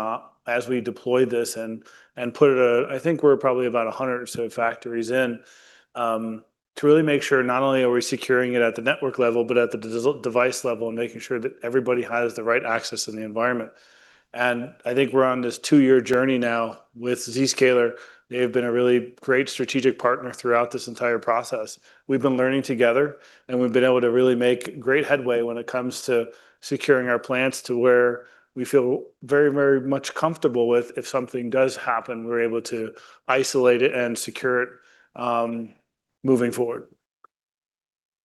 as we deploy this and put it I think we're probably about 100 or so factories in, to really make sure not only are we securing it at the network level, but at the device level and making sure that everybody has the right access in the environment. I think we're on this two-year journey now with Zscaler. They have been a really great strategic partner throughout this entire process. We've been learning together, we've been able to really make great headway when it comes to securing our plants to where we feel very much comfortable with if something does happen, we're able to isolate it and secure it moving forward.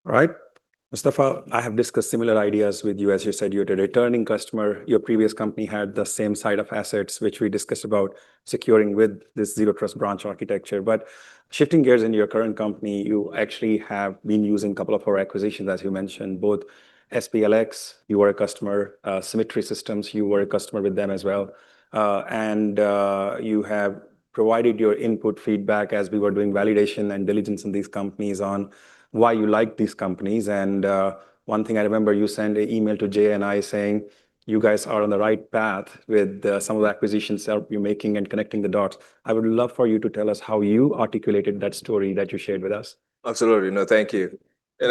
Right. Mustapha, I have discussed similar ideas with you. As you said, you're a returning customer. Your previous company had the same side of assets, which we discussed about securing with this Zero Trust Branch architecture. Shifting gears into your current company, you actually have been using a couple of our acquisitions, as you mentioned. Both SPLX, you were a customer, Symmetry Systems, you were a customer with them as well. You have provided your input feedback as we were doing validation and diligence in these companies on why you like these companies. One thing I remember, you sent an email to Jay and I saying, "You guys are on the right path with some of the acquisitions you're making and connecting the dots." I would love for you to tell us how you articulated that story that you shared with us. Absolutely. No, thank you. When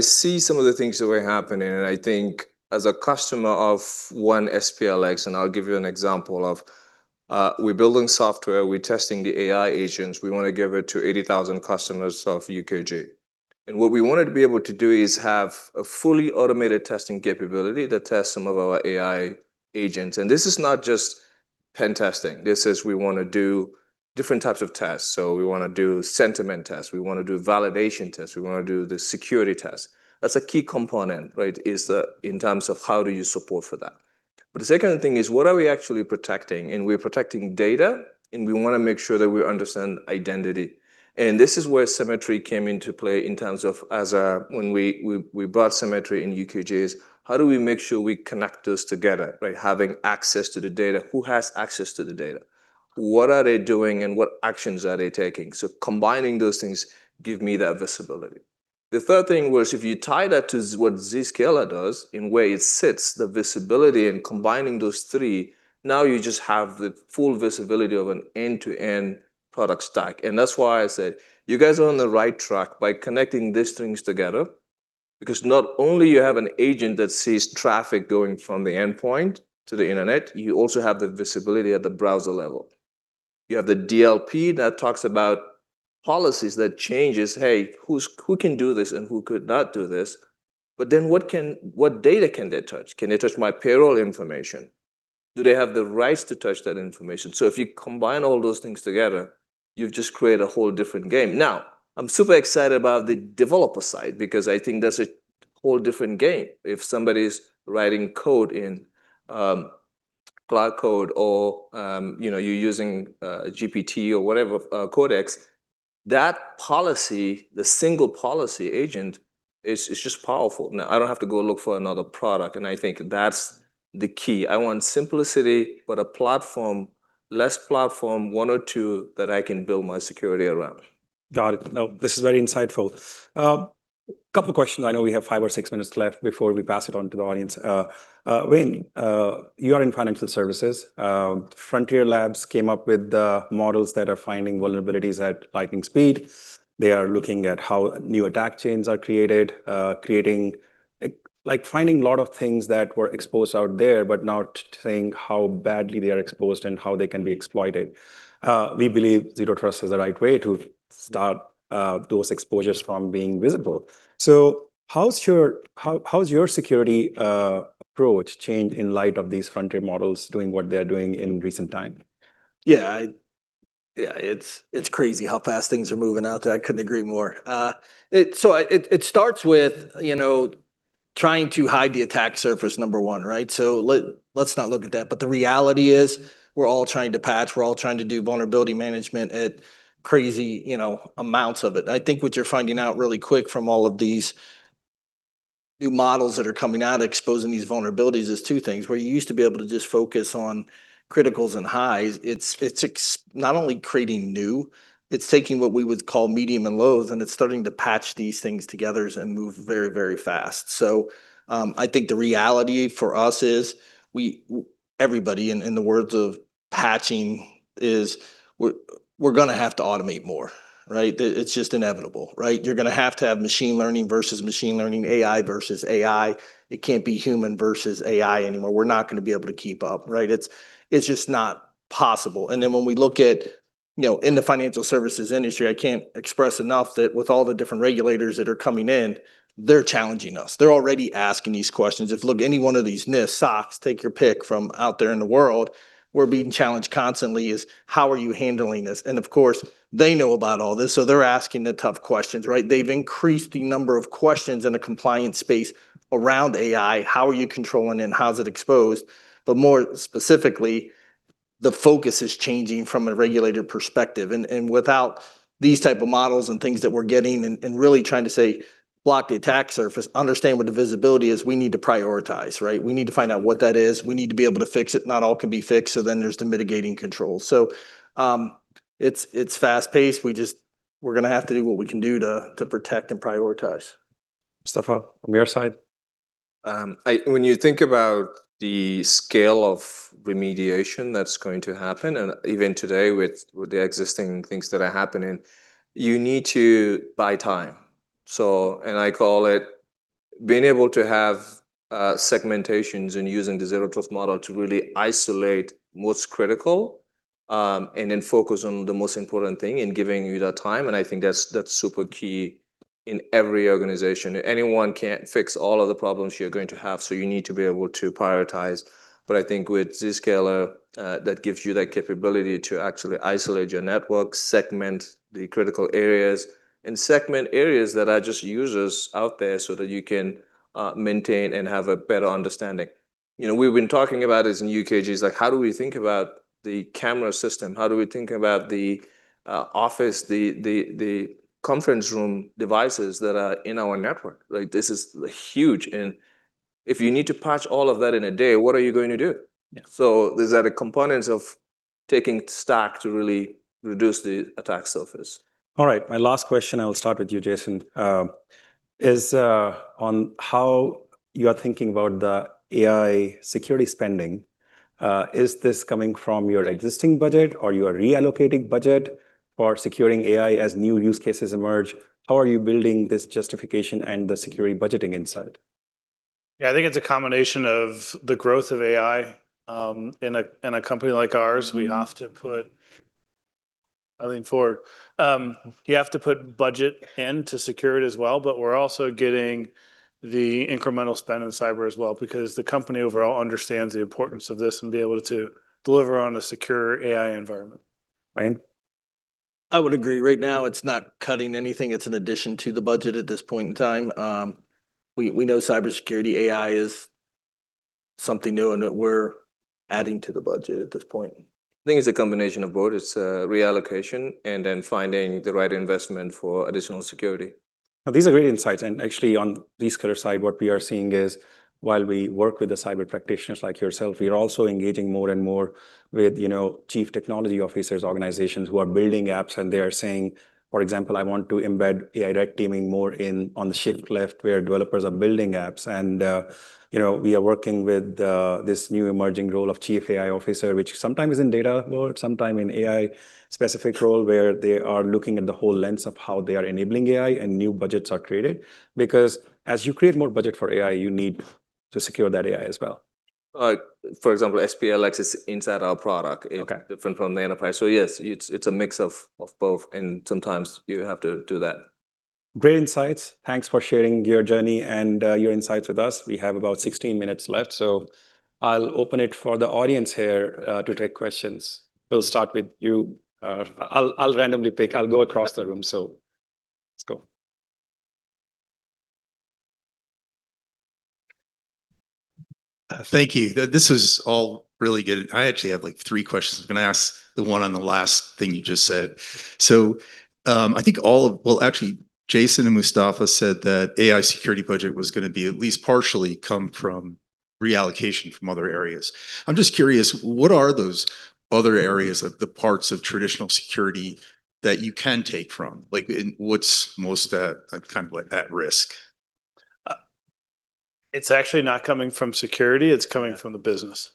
I see some of the things that were happening, I think as a customer of one SPLX, I'll give you an example of we're building software, we're testing the AI agents. We want to give it to 80,000 customers of UKG. What we wanted to be able to do is have a fully automated testing capability that tests some of our AI agents. This is not just pen testing. This is we want to do different types of tests. We want to do sentiment tests. We want to do validation tests. We want to do the security tests. That's a key component in terms of how do you support for that. The second thing is what are we actually protecting? We're protecting data, and we want to make sure that we understand identity. This is where Symmetry came into play in terms of when we bought Symmetry and UKG's, how do we make sure we connect those together? Having access to the data. Who has access to the data? What are they doing, and what actions are they taking? Combining those things give me that visibility. The third thing was if you tie that to what Zscaler does in where it sits, the visibility, combining those three, now you just have the full visibility of an end-to-end product stack. That's why I said you guys are on the right track by connecting these things together. Not only you have an agent that sees traffic going from the endpoint to the internet, you also have the visibility at the browser level. You have the DLP that talks about policies that changes, hey, who can do this and who could not do this? What data can they touch? Can they touch my payroll information? Do they have the rights to touch that information? If you combine all those things together, you've just created a whole different game. I'm super excited about the developer side because I think that's a whole different game. If somebody's writing code in Claude Code or you're using GPT or whatever Codex, that policy, the single policy agent is just powerful. I don't have to go look for another product, and I think that's the key. I want simplicity, but a platform, less platform, one or two that I can build my security around. Got it. This is very insightful. Couple questions. I know we have five or six minutes left before we pass it on to the audience. Wayne, you are in financial services. Frontier AI labs came up with the models that are finding vulnerabilities at lightning speed. They are looking at how new attack chains are created, finding a lot of things that were exposed out there, but now saying how badly they are exposed and how they can be exploited. We believe Zero Trust is the right way to stop those exposures from being visible. How has your security approach changed in light of these frontier models doing what they're doing in recent time? It's crazy how fast things are moving out there. I couldn't agree more. It starts with trying to hide the attack surface, number one, right? Let's not look at that. The reality is we're all trying to patch, we're all trying to do vulnerability management at crazy amounts of it. I think what you're finding out really quick from all of these new models that are coming out exposing these vulnerabilities is two things. Where you used to be able to just focus on criticals and highs, it's not only creating new, it's taking what we would call medium and lows, and it's starting to patch these things together and move very, very fast. I think the reality for us is, everybody, in the words of patching, is we're going to have to automate more, right? It's just inevitable, right? You're going to have to have machine learning versus machine learning, AI versus AI. It can't be human versus AI anymore. We're not going to be able to keep up, right? It's just not possible. When we look at in the financial services industry, I can't express enough that with all the different regulators that are coming in, they're challenging us. They're already asking these questions. If, look, any one of these, NIST, SOX, take your pick from out there in the world, we're being challenged constantly is, how are you handling this? Of course, they know about all this, so they're asking the tough questions, right? They've increased the number of questions in a compliance space around AI. How are you controlling and how's it exposed? More specifically, the focus is changing from a regulator perspective. Without these type of models and things that we're getting and really trying to, say, block the attack surface, understand what the visibility is, we need to prioritize, right? We need to find out what that is. We need to be able to fix it. Not all can be fixed, There's the mitigating controls. It's fast-paced. We're going to have to do what we can do to protect and prioritize. Mustapha, from your side? When you think about the scale of remediation that's going to happen, Even today with the existing things that are happening, you need to buy time. I call it being able to have segmentations and using the zero trust model to really isolate what's critical, Then focus on the most important thing in giving you that time. I think that's super key in every organization. Anyone can't fix all of the problems you're going to have, You need to be able to prioritize. I think with Zscaler, that gives you that capability to actually isolate your network, segment the critical areas, and segment areas that are just users out there, so that you can maintain and have a better understanding. We've been talking about this in UKG, like how do we think about the camera system? How do we think about the office, the conference room devices that are in our network? This is huge, If you need to patch all of that in a day, what are you going to do? Yeah. Those are the components of taking stock to really reduce the attack surface. All right. My last question, I will start with you, Jason, is on how you are thinking about the AI security spending. Is this coming from your existing budget, or you are reallocating budget for securing AI as new use cases emerge? How are you building this justification and the security budgeting inside? Yeah, I think it's a combination of the growth of AI. In a company like ours. You have to put budget in to secure it as well. We're also getting the incremental spend in cyber as well because the company overall understands the importance of this and be able to deliver on a secure AI environment. Wayne? I would agree. Right now, it's not cutting anything. It's an addition to the budget at this point in time. We know cybersecurity AI is something new and that we're adding to the budget at this point. I think it's a combination of both. It's a reallocation and then finding the right investment for additional security. These are great insights, and actually on the Zscaler side, what we are seeing is while we work with the cyber practitioners like yourself, we are also engaging more and more with Chief Technology Officers, organizations who are building apps, and they are saying, for example, "I want to embed AI red teaming more in on the shift left where developers are building apps." We are working with this new emerging role of Chief AI Officer, which sometimes is in data world, sometime in AI specific role, where they are looking at the whole lens of how they are enabling AI and new budgets are created. As you create more budget for AI, you need to secure that AI as well. For example, SPLX access inside our product. Okay. Different from the enterprise. Yes, it's a mix of both, and sometimes you have to do that. Great insights. Thanks for sharing your journey and your insights with us. We have about 16 minutes left, I'll open it for the audience here to take questions. We'll start with you. I'll randomly pick. I'll go across the room, let's go. Thank you. This was all really good. I actually have three questions. I'm going to ask the one on the last thing you just said. I think all of, well, actually, Jason and Mustapha said that AI security budget was going to be at least partially come from reallocation from other areas. I'm just curious, what are those other areas of the parts of traditional security that you can take from? What's most at risk? It's actually not coming from security, it's coming from the business,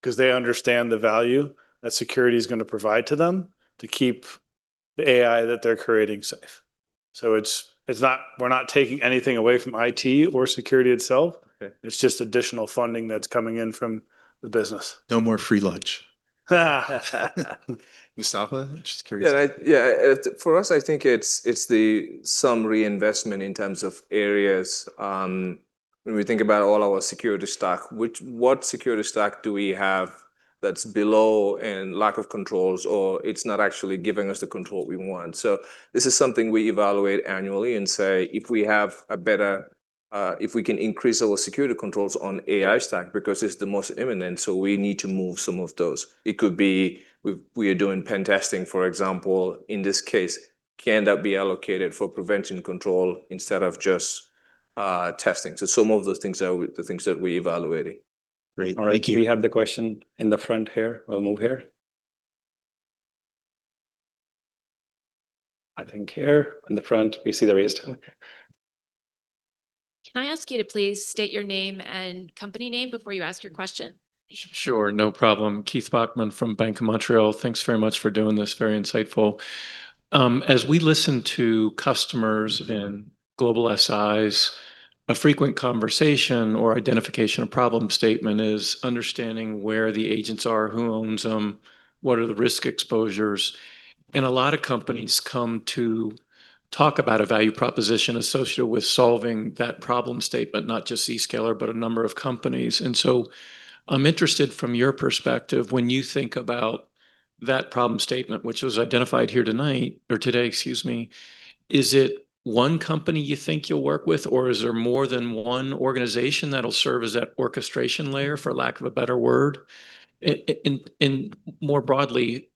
because they understand the value that security's going to provide to them to keep the AI that they're creating safe. We're not taking anything away from IT or security itself. Okay. It's just additional funding that's coming in from the business. No more free lunch. Mustapha? Just curious. Yeah. For us, I think it's some reinvestment in terms of areas. When we think about all our security stack, what security stack do we have that's below in lack of controls, or it's not actually giving us the control we want? This is something we evaluate annually and say, if we can increase our security controls on AI stack, because it's the most imminent, we need to move some of those. It could be we are doing pen testing, for example. In this case, can that be allocated for prevention control instead of just testing? Some of the things that we're evaluating. Great. Thank you. All right. We have the question in the front here. We'll move here. I think here, in the front. We see the raised hand. Can I ask you to please state your name and company name before you ask your question? Sure, no problem. Keith Bachman from Bank of Montreal. Thanks very much for doing this. Very insightful. As we listen to customers in global SIs, a frequent conversation or identification or problem statement is understanding where the agents are, who owns them, what are the risk exposures. A lot of companies come to talk about a value proposition associated with solving that problem statement, not just Zscaler, but a number of companies. I'm interested from your perspective, when you think about that problem statement, which was identified here tonight, or today, excuse me, is it one company you think you'll work with or is there more than one organization that'll serve as that orchestration layer, for lack of a better word? More broadly,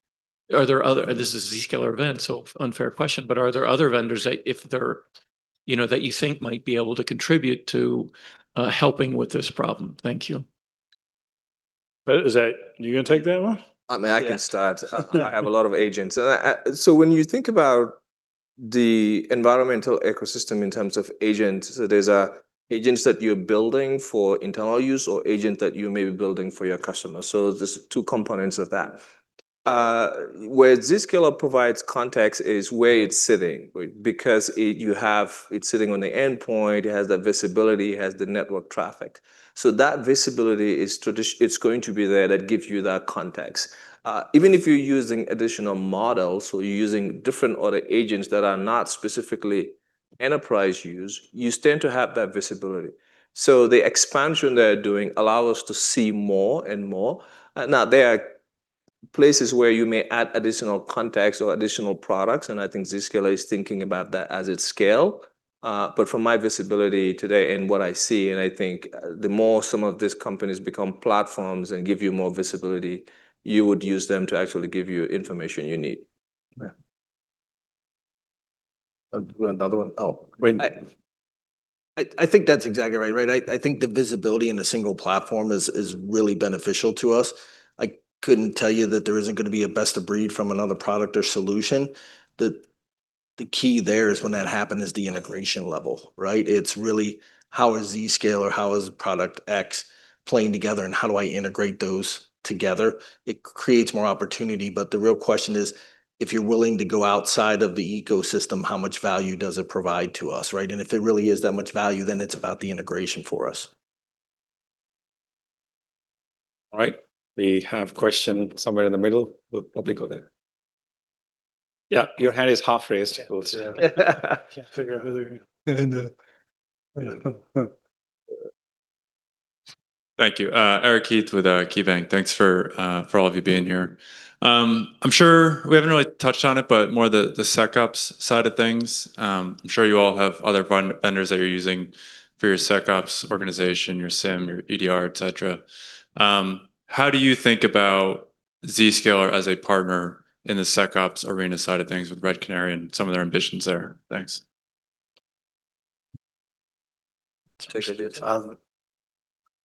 this is a Zscaler event. Unfair question, are there other vendors that you think might be able to contribute to helping with this problem? Thank you. You going to take that one? I can start. I have a lot of agents. When you think about the environmental ecosystem in terms of agents, there's agents that you're building for internal use or agent that you may be building for your customers. There's two components of that. Where Zscaler provides context is where it's sitting, because it's sitting on the endpoint, it has that visibility, it has the network traffic. That visibility, it's going to be there, that gives you that context. Even if you're using additional models or you're using different other agents that are not specifically enterprise use, you stand to have that visibility. The expansion they're doing allow us to see more and more. Now, there are places where you may add additional context or additional products, and I think Zscaler is thinking about that as it scale. From my visibility today and what I see, and I think the more some of these companies become platforms and give you more visibility, you would use them to actually give you information you need. Yeah. Another one. Oh, Wayne. I think that's exactly right. I think the visibility in a single platform is really beneficial to us. I couldn't tell you that there isn't going to be a best-of-breed from another product or solution. The key there is when that happens is the integration level. It's really how is Zscaler, how is product X playing together, and how do I integrate those together? It creates more opportunity, the real question is, if you're willing to go outside of the ecosystem, how much value does it provide to us? If it really is that much value, then it's about the integration for us. All right. We have question somewhere in the middle. We'll probably go there. Yeah, your hand is half raised, it looks like. Thank you. Eric Heath with KeyBanc. Thanks for all of you being here. I'm sure we haven't really touched on it, but more the SecOps side of things. I'm sure you all have other vendors that you're using for your SecOps organization, your SIEM, your EDR, et cetera. How do you think about Zscaler as a partner in the SecOps arena side of things with Red Canary and some of their ambitions there? Thanks.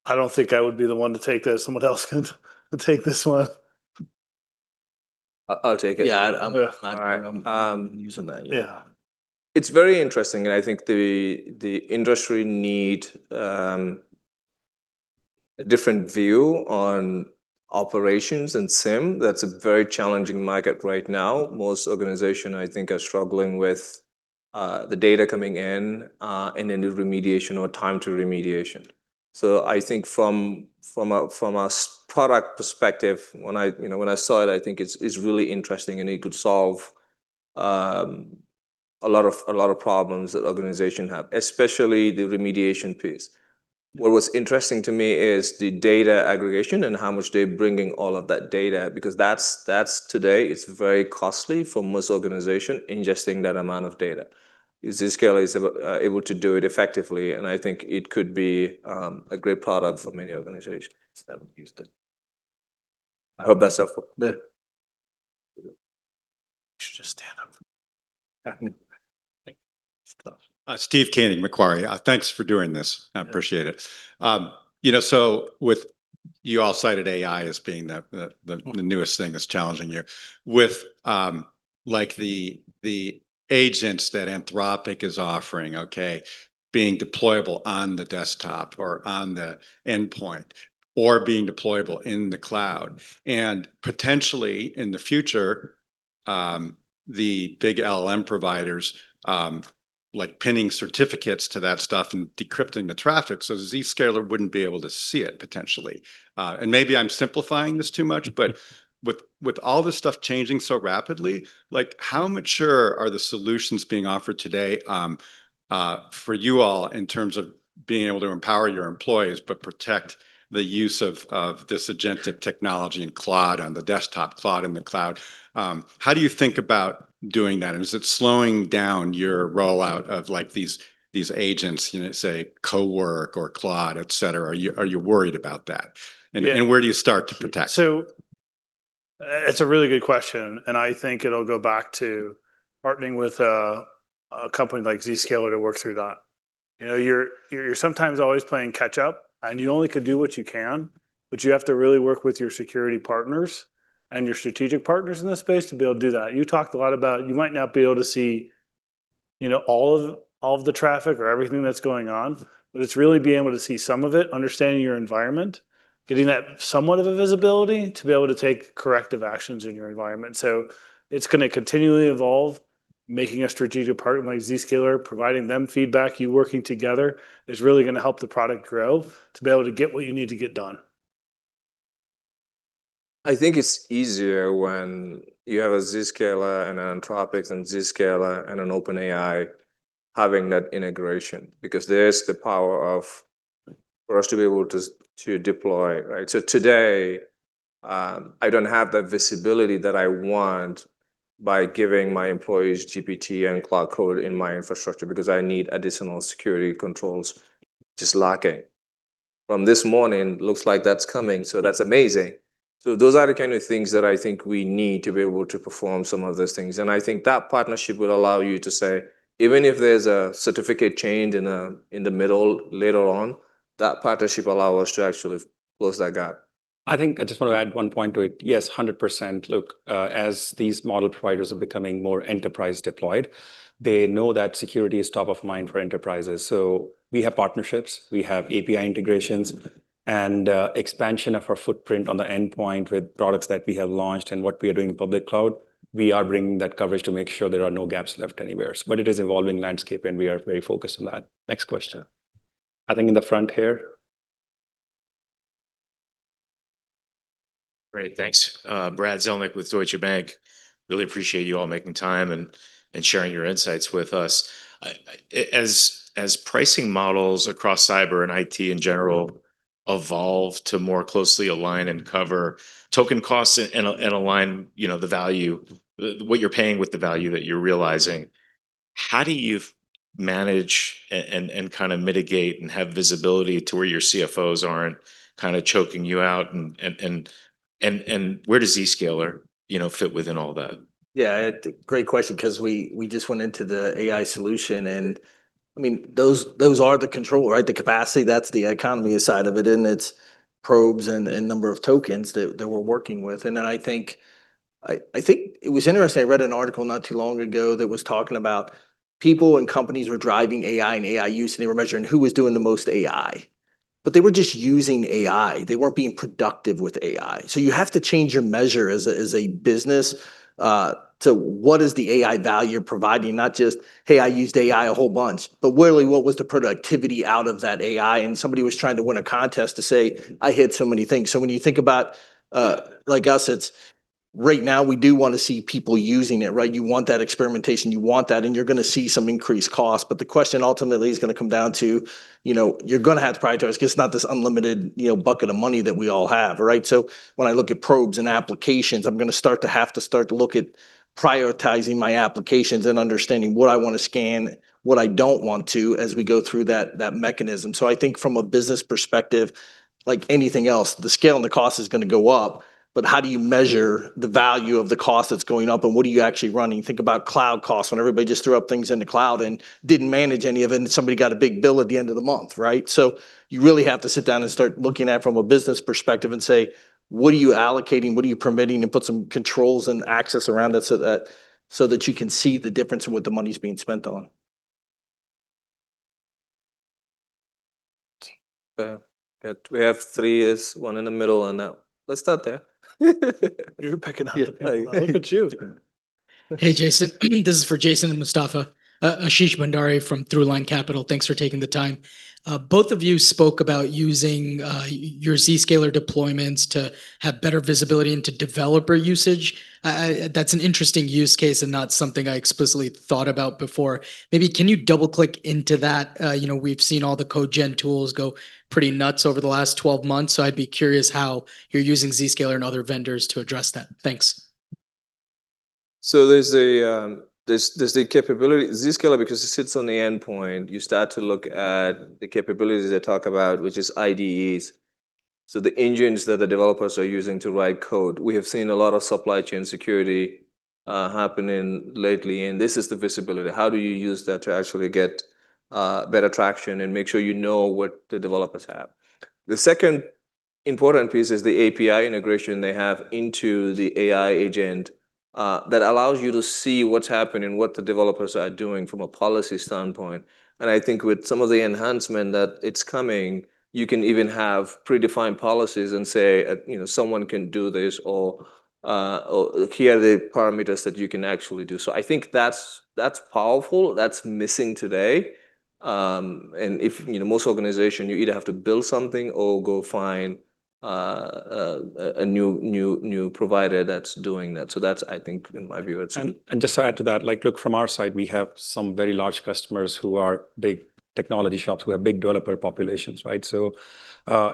I don't think I would be the one to take that. Someone else can take this one. I'll take it. Yeah, I'm using that. Yeah. It's very interesting. I think the industry need a different view on operations and SIEM. That's a very challenging market right now. Most organization, I think, are struggling with the data coming in, and then the remediation or time to remediation. I think from a product perspective, when I saw it, I think it's really interesting, and it could solve a lot of problems that organization have, especially the remediation piece. What was interesting to me is the data aggregation and how much they're bringing all of that data, because that today, it's very costly for most organization ingesting that amount of data. Zscaler is able to do it effectively. I think it could be a great product for many organizations that would use that. I hope that's helpful. You should just stand up. Steve Koenig, Macquarie. Thanks for doing this. I appreciate it. You all cited AI as being the newest thing that's challenging you. With the agents that Anthropic is offering, okay, being deployable on the desktop or on the endpoint, or being deployable in the cloud, and potentially in the future, the big LLM providers, like pinning certificates to that stuff and decrypting the traffic so Zscaler wouldn't be able to see it potentially. Maybe I'm simplifying this too much, but with all this stuff changing so rapidly, how mature are the solutions being offered today for you all in terms of being able to empower your employees, but protect the use of this agentic technology in Claude on the desktop, Claude in the cloud? How do you think about doing that? Is it slowing down your rollout of these agents, say, Cowork or Claude, et cetera? Are you worried about that? Yeah. Where do you start to protect? It's a really good question, and I think it'll go back to partnering with a company like Zscaler to work through that. You're sometimes always playing catch-up, you only could do what you can, you have to really work with your security partners and your strategic partners in this space to be able to do that. You talked a lot about, you might not be able to see all of the traffic or everything that's going on, it's really being able to see some of it, understanding your environment, getting that somewhat of a visibility to be able to take corrective actions in your environment. It's going to continually evolve. Making a strategic partner like Zscaler, providing them feedback, you working together, is really going to help the product grow to be able to get what you need to get done. I think it's easier when you have a Zscaler and an Anthropic and Zscaler and an OpenAI having that integration because there's the power for us to be able to deploy, right? Today, I don't have that visibility that I want by giving my employees GPT and Claude Code in my infrastructure because I need additional security controls, just lacking. From this morning, looks like that's coming, that's amazing. Those are the kind of things that I think we need to be able to perform some of those things. I think that partnership will allow you to say, even if there's a certificate change in the middle later on, that partnership allow us to actually close that gap. I think I just want to add one point to it. Yes, 100%. Look, as these model providers are becoming more enterprise deployed, they know that security is top of mind for enterprises. We have partnerships, we have API integrations, and expansion of our footprint on the endpoint with products that we have launched and what we are doing in public cloud. We are bringing that coverage to make sure there are no gaps left anywhere. It is evolving landscape, and we are very focused on that. Next question. I think in the front here. Great. Thanks. Brad Zelnick with Deutsche Bank. Really appreciate you all making time and sharing your insights with us. As pricing models across cyber and IT in general evolve to more closely align and cover token costs and align the value, what you're paying with the value that you're realizing, how do you manage and mitigate and have visibility to where your CFOs aren't choking you out and where does Zscaler fit within all that? Yeah. Great question because we just went into the AI solution, I mean, those are the control, right? The capacity, that's the economy side of it, and it's probes and number of tokens that we're working with. I think it was interesting, I read an article not too long ago that was talking about people and companies were driving AI and AI use, and they were measuring who was doing the most AI. They were just using AI. They weren't being productive with AI. You have to change your measure as a business to what is the AI value providing, not just, "Hey, I used AI a whole bunch," but really, what was the productivity out of that AI? Somebody was trying to win a contest to say, "I hit so many things." When you think about like us, it's right now we do want to see people using it, right? You want that experimentation. You want that, and you're going to see some increased cost. The question ultimately is going to come down to, you're going to have to prioritize because it's not this unlimited bucket of money that we all have, right? When I look at probes and applications, I'm going to start to have to start to look at prioritizing my applications and understanding what I want to scan, what I don't want to, as we go through that mechanism. I think from a business perspective, like anything else, the scale and the cost is going to go up, but how do you measure the value of the cost that's going up and what are you actually running? Think about cloud costs, when everybody just threw up things in the cloud and didn't manage any of it, and somebody got a big bill at the end of the month, right? You really have to sit down and start looking at from a business perspective and say, what are you allocating, what are you permitting, and put some controls and access around it so that you can see the difference in what the money's being spent on. We have three. There's one in the middle. Let's start there. You're picking up the pace on me. Look at you. Hey, Jason. This is for Jason and Mustapha. Ashish Bhandari from Throughline Capital. Thanks for taking the time. Both of you spoke about using your Zscaler deployments to have better visibility into developer usage. That's an interesting use case and not something I explicitly thought about before. Maybe can you double-click into that? We've seen all the code gen tools go pretty nuts over the last 12 months, so I'd be curious how you're using Zscaler and other vendors to address that. Thanks. There's the capability, Zscaler, because it sits on the endpoint, you start to look at the capabilities they talk about, which is IDEs. The engines that the developers are using to write code. We have seen a lot of supply chain security happening lately, and this is the visibility. How do you use that to actually get better traction and make sure you know what the developers have? The second important piece is the API integration they have into the AI agent that allows you to see what's happening, what the developers are doing from a policy standpoint. I think with some of the enhancement that it's coming, you can even have predefined policies and say, someone can do this, or here are the parameters that you can actually do. I think that's powerful. That's missing today. Most organization, you either have to build something or go find a new provider that's doing that. That's, I think, in my view. Just to add to that, look, from our side, we have some very large customers who are big technology shops, who have big developer populations.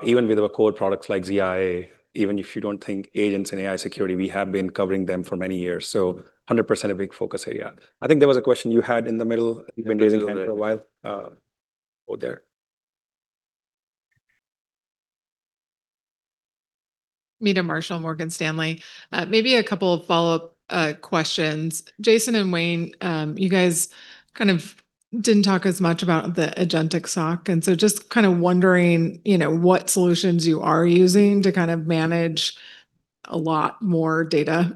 Even with our core products like ZIA, even if you don't think agents and AI security, we have been covering them for many years. 100% a big focus area. I think there was a question you had in the middle. You've been raising your hand for a while. Over there. Meta Marshall, Morgan Stanley. Maybe a couple of follow-up questions. Jason and Wayne, you guys kind of didn't talk as much about the Agentic SOC, just kind of wondering, what solutions you are using to manage a lot more data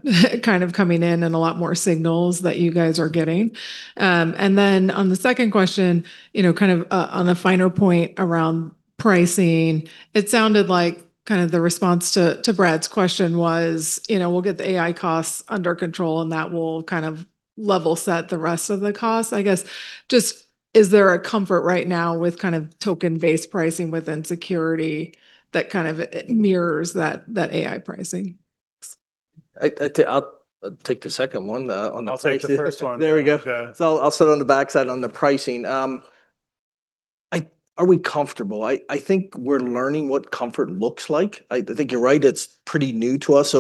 coming in and a lot more signals that you guys are getting. Then on the second question, on the finer point around pricing, it sounded like the response to Brad's question was, we'll get the AI costs under control, that will level set the rest of the costs. I guess, just, is there a comfort right now with token-based pricing within security that kind of mirrors that AI pricing? I'll take the second one on the pricing. I'll take the first one. There we go. Yeah. I'll sit on the backside on the pricing. Are we comfortable? I think we're learning what comfort looks like. I think you're right, it's pretty new to us.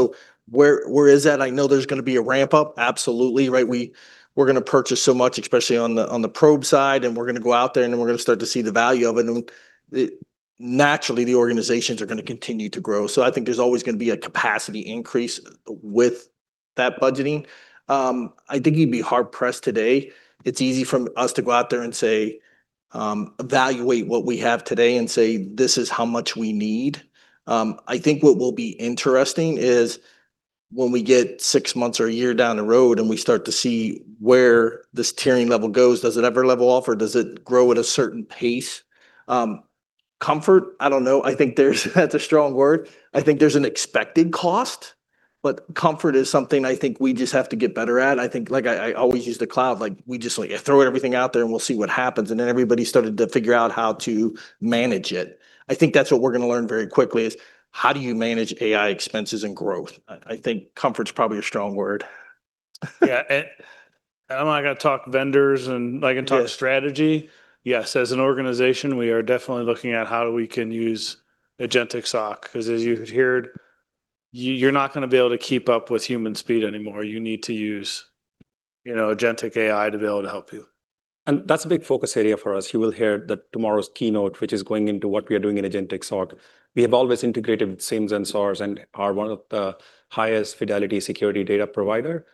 Where it's at, I know there's going to be a ramp-up. Absolutely. We're going to purchase so much, especially on the probe side, and we're going to go out there, and then we're going to start to see the value of it. Naturally, the organizations are going to continue to grow. I think there's always going to be a capacity increase with that budgeting. I think you'd be hard-pressed today. It's easy for us to go out there and say, evaluate what we have today and say, "This is how much we need." I think what will be interesting is when we get six months or a year down the road and we start to see where this tiering level goes. Does it ever level off, or does it grow at a certain pace? Comfort, I don't know. I think that's a strong word. I think there's an expected cost, but comfort is something I think we just have to get better at. I always use the cloud. We just throw everything out there, and we'll see what happens. Then everybody started to figure out how to manage it. I think that's what we're going to learn very quickly, is how do you manage AI expenses and growth? I think comfort's probably a strong word. Yeah. I'm not going to talk vendors, I can talk strategy. Yes, as an organization, we are definitely looking at how we can use Agentic SOC, because as you heard, you're not going to be able to keep up with human speed anymore. You need to use agentic AI to be able to help you. That's a big focus area for us. You will hear that tomorrow's keynote, which is going into what we are doing in Agentic SOC. We have always integrated SIEMs and SOARs and are one of the highest fidelity security data provider.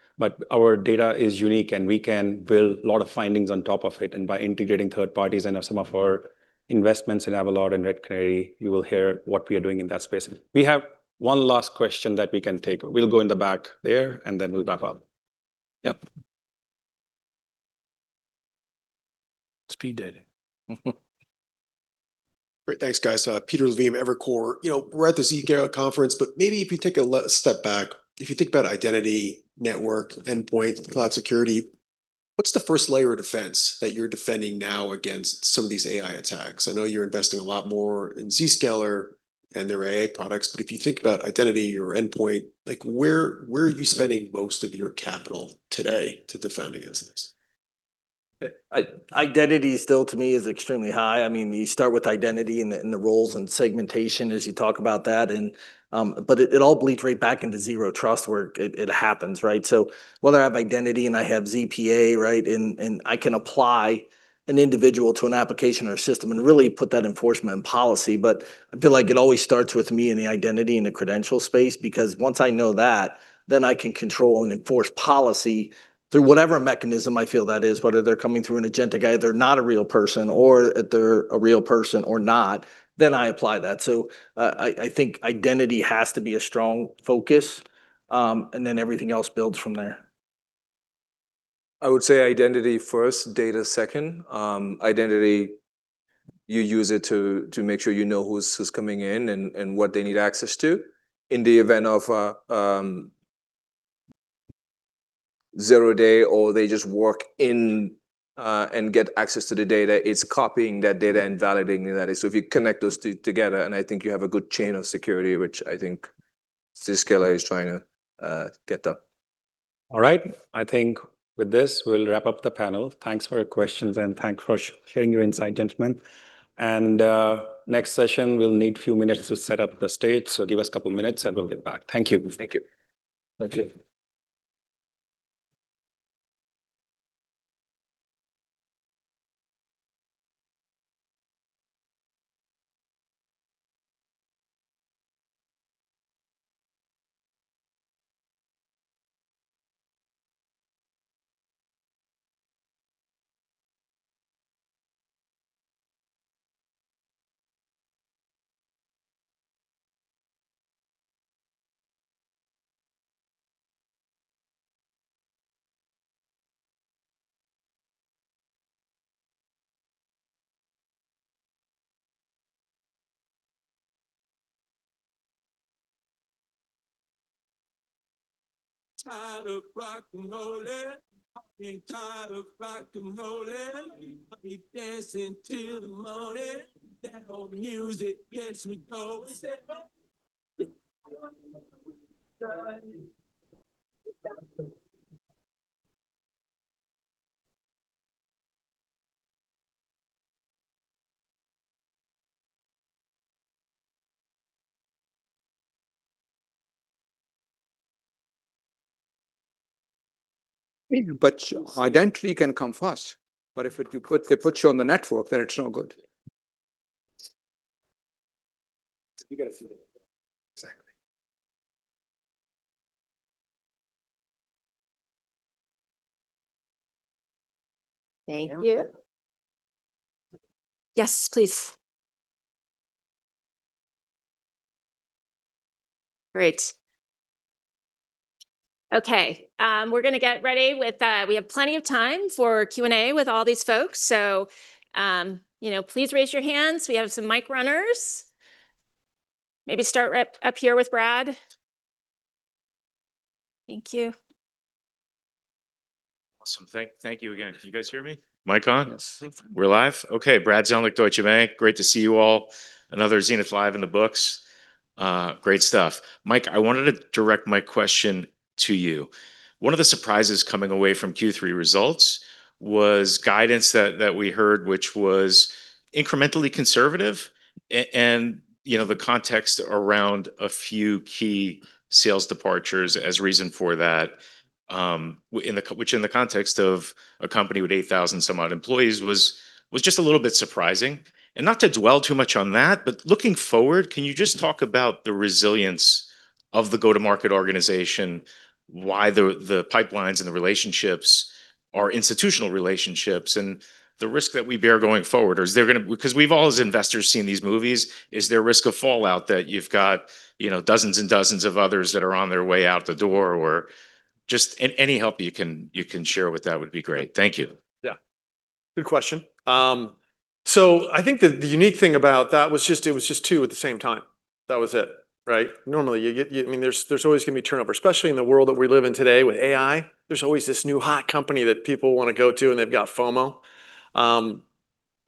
Our data is unique, and we can build a lot of findings on top of it. By integrating third parties and some of our investments in Avalor and Red Canary, you will hear what we are doing in that space. We have one last question that we can take. We'll go in the back there, and then we'll wrap up. Yep. Speed dating. Great. Thanks, guys. Peter Levine, Evercore. We're at the Zscaler conference, maybe if you take a step back, if you think about identity, network, endpoint, cloud security, what's the first layer of defense that you're defending now against some of these AI attacks? I know you're investing a lot more in Zscaler and their AI products, if you think about identity or endpoint, where are you spending most of your capital today to defend against this? Identity still to me is extremely high. You start with identity and the roles and segmentation as you talk about that, it all bleeds right back into zero trust where it happens. Whether I have identity and I have ZPA, and I can apply an individual to an application or system and really put that enforcement in policy. I feel like it always starts with me in the identity and the credential space, because once I know that, then I can control and enforce policy through whatever mechanism I feel that is, whether they're coming through an agentic AI, they're not a real person, or if they're a real person or not, then I apply that. I think identity has to be a strong focus, and then everything else builds from there. I would say identity first, data second. Identity, you use it to make sure you know who's coming in and what they need access to. In the event of a zero-day, or they just walk in and get access to the data, it's copying that data and validating that. If you connect those two together, and I think you have a good chain of security, which I think Zscaler is trying to get up. All right. I think with this, we'll wrap up the panel. Thanks for your questions and thanks for sharing your insight, gentlemen. Next session, we'll need a few minutes to set up the stage, give us a couple of minutes, and we'll get back. Thank you. Thank you. Thank you. Identity can come first, but if they put you on the network, then it's no good. You got to see the whole thing. Exactly. Thank you. Yes, please. Great. Okay. We're going to get ready. We have plenty of time for Q&A with all these folks, so please raise your hands. We have some mic runners. Maybe start right up here with Brad. Thank you. Awesome. Thank you again. Can you guys hear me? Mic on? Yes. We're live? Okay, Brad Zelnick, Deutsche Bank. Great to see you all. Another Zenith Live in the books. Great stuff. Mike, I wanted to direct my question to you. One of the surprises coming away from Q3 results was guidance that we heard, which was incrementally conservative, the context around a few key sales departures as reason for that, which in the context of a company with 8,000 some odd employees was just a little bit surprising. Not to dwell too much on that, but looking forward, can you just talk about the resilience of the go-to-market organization, why the pipelines and the relationships are institutional relationships, and the risk that we bear going forward? We've all, as investors, seen these movies. Is there a risk of fallout that you've got dozens and dozens of others that are on their way out the door? Just any help you can share with that would be great. Thank you. Yeah. Good question. I think that the unique thing about that was just, it was just two at the same time. That was it. Right? Normally, there's always going to be turnover, especially in the world that we live in today with AI. There's always this new hot company that people want to go to, and they've got FOMO.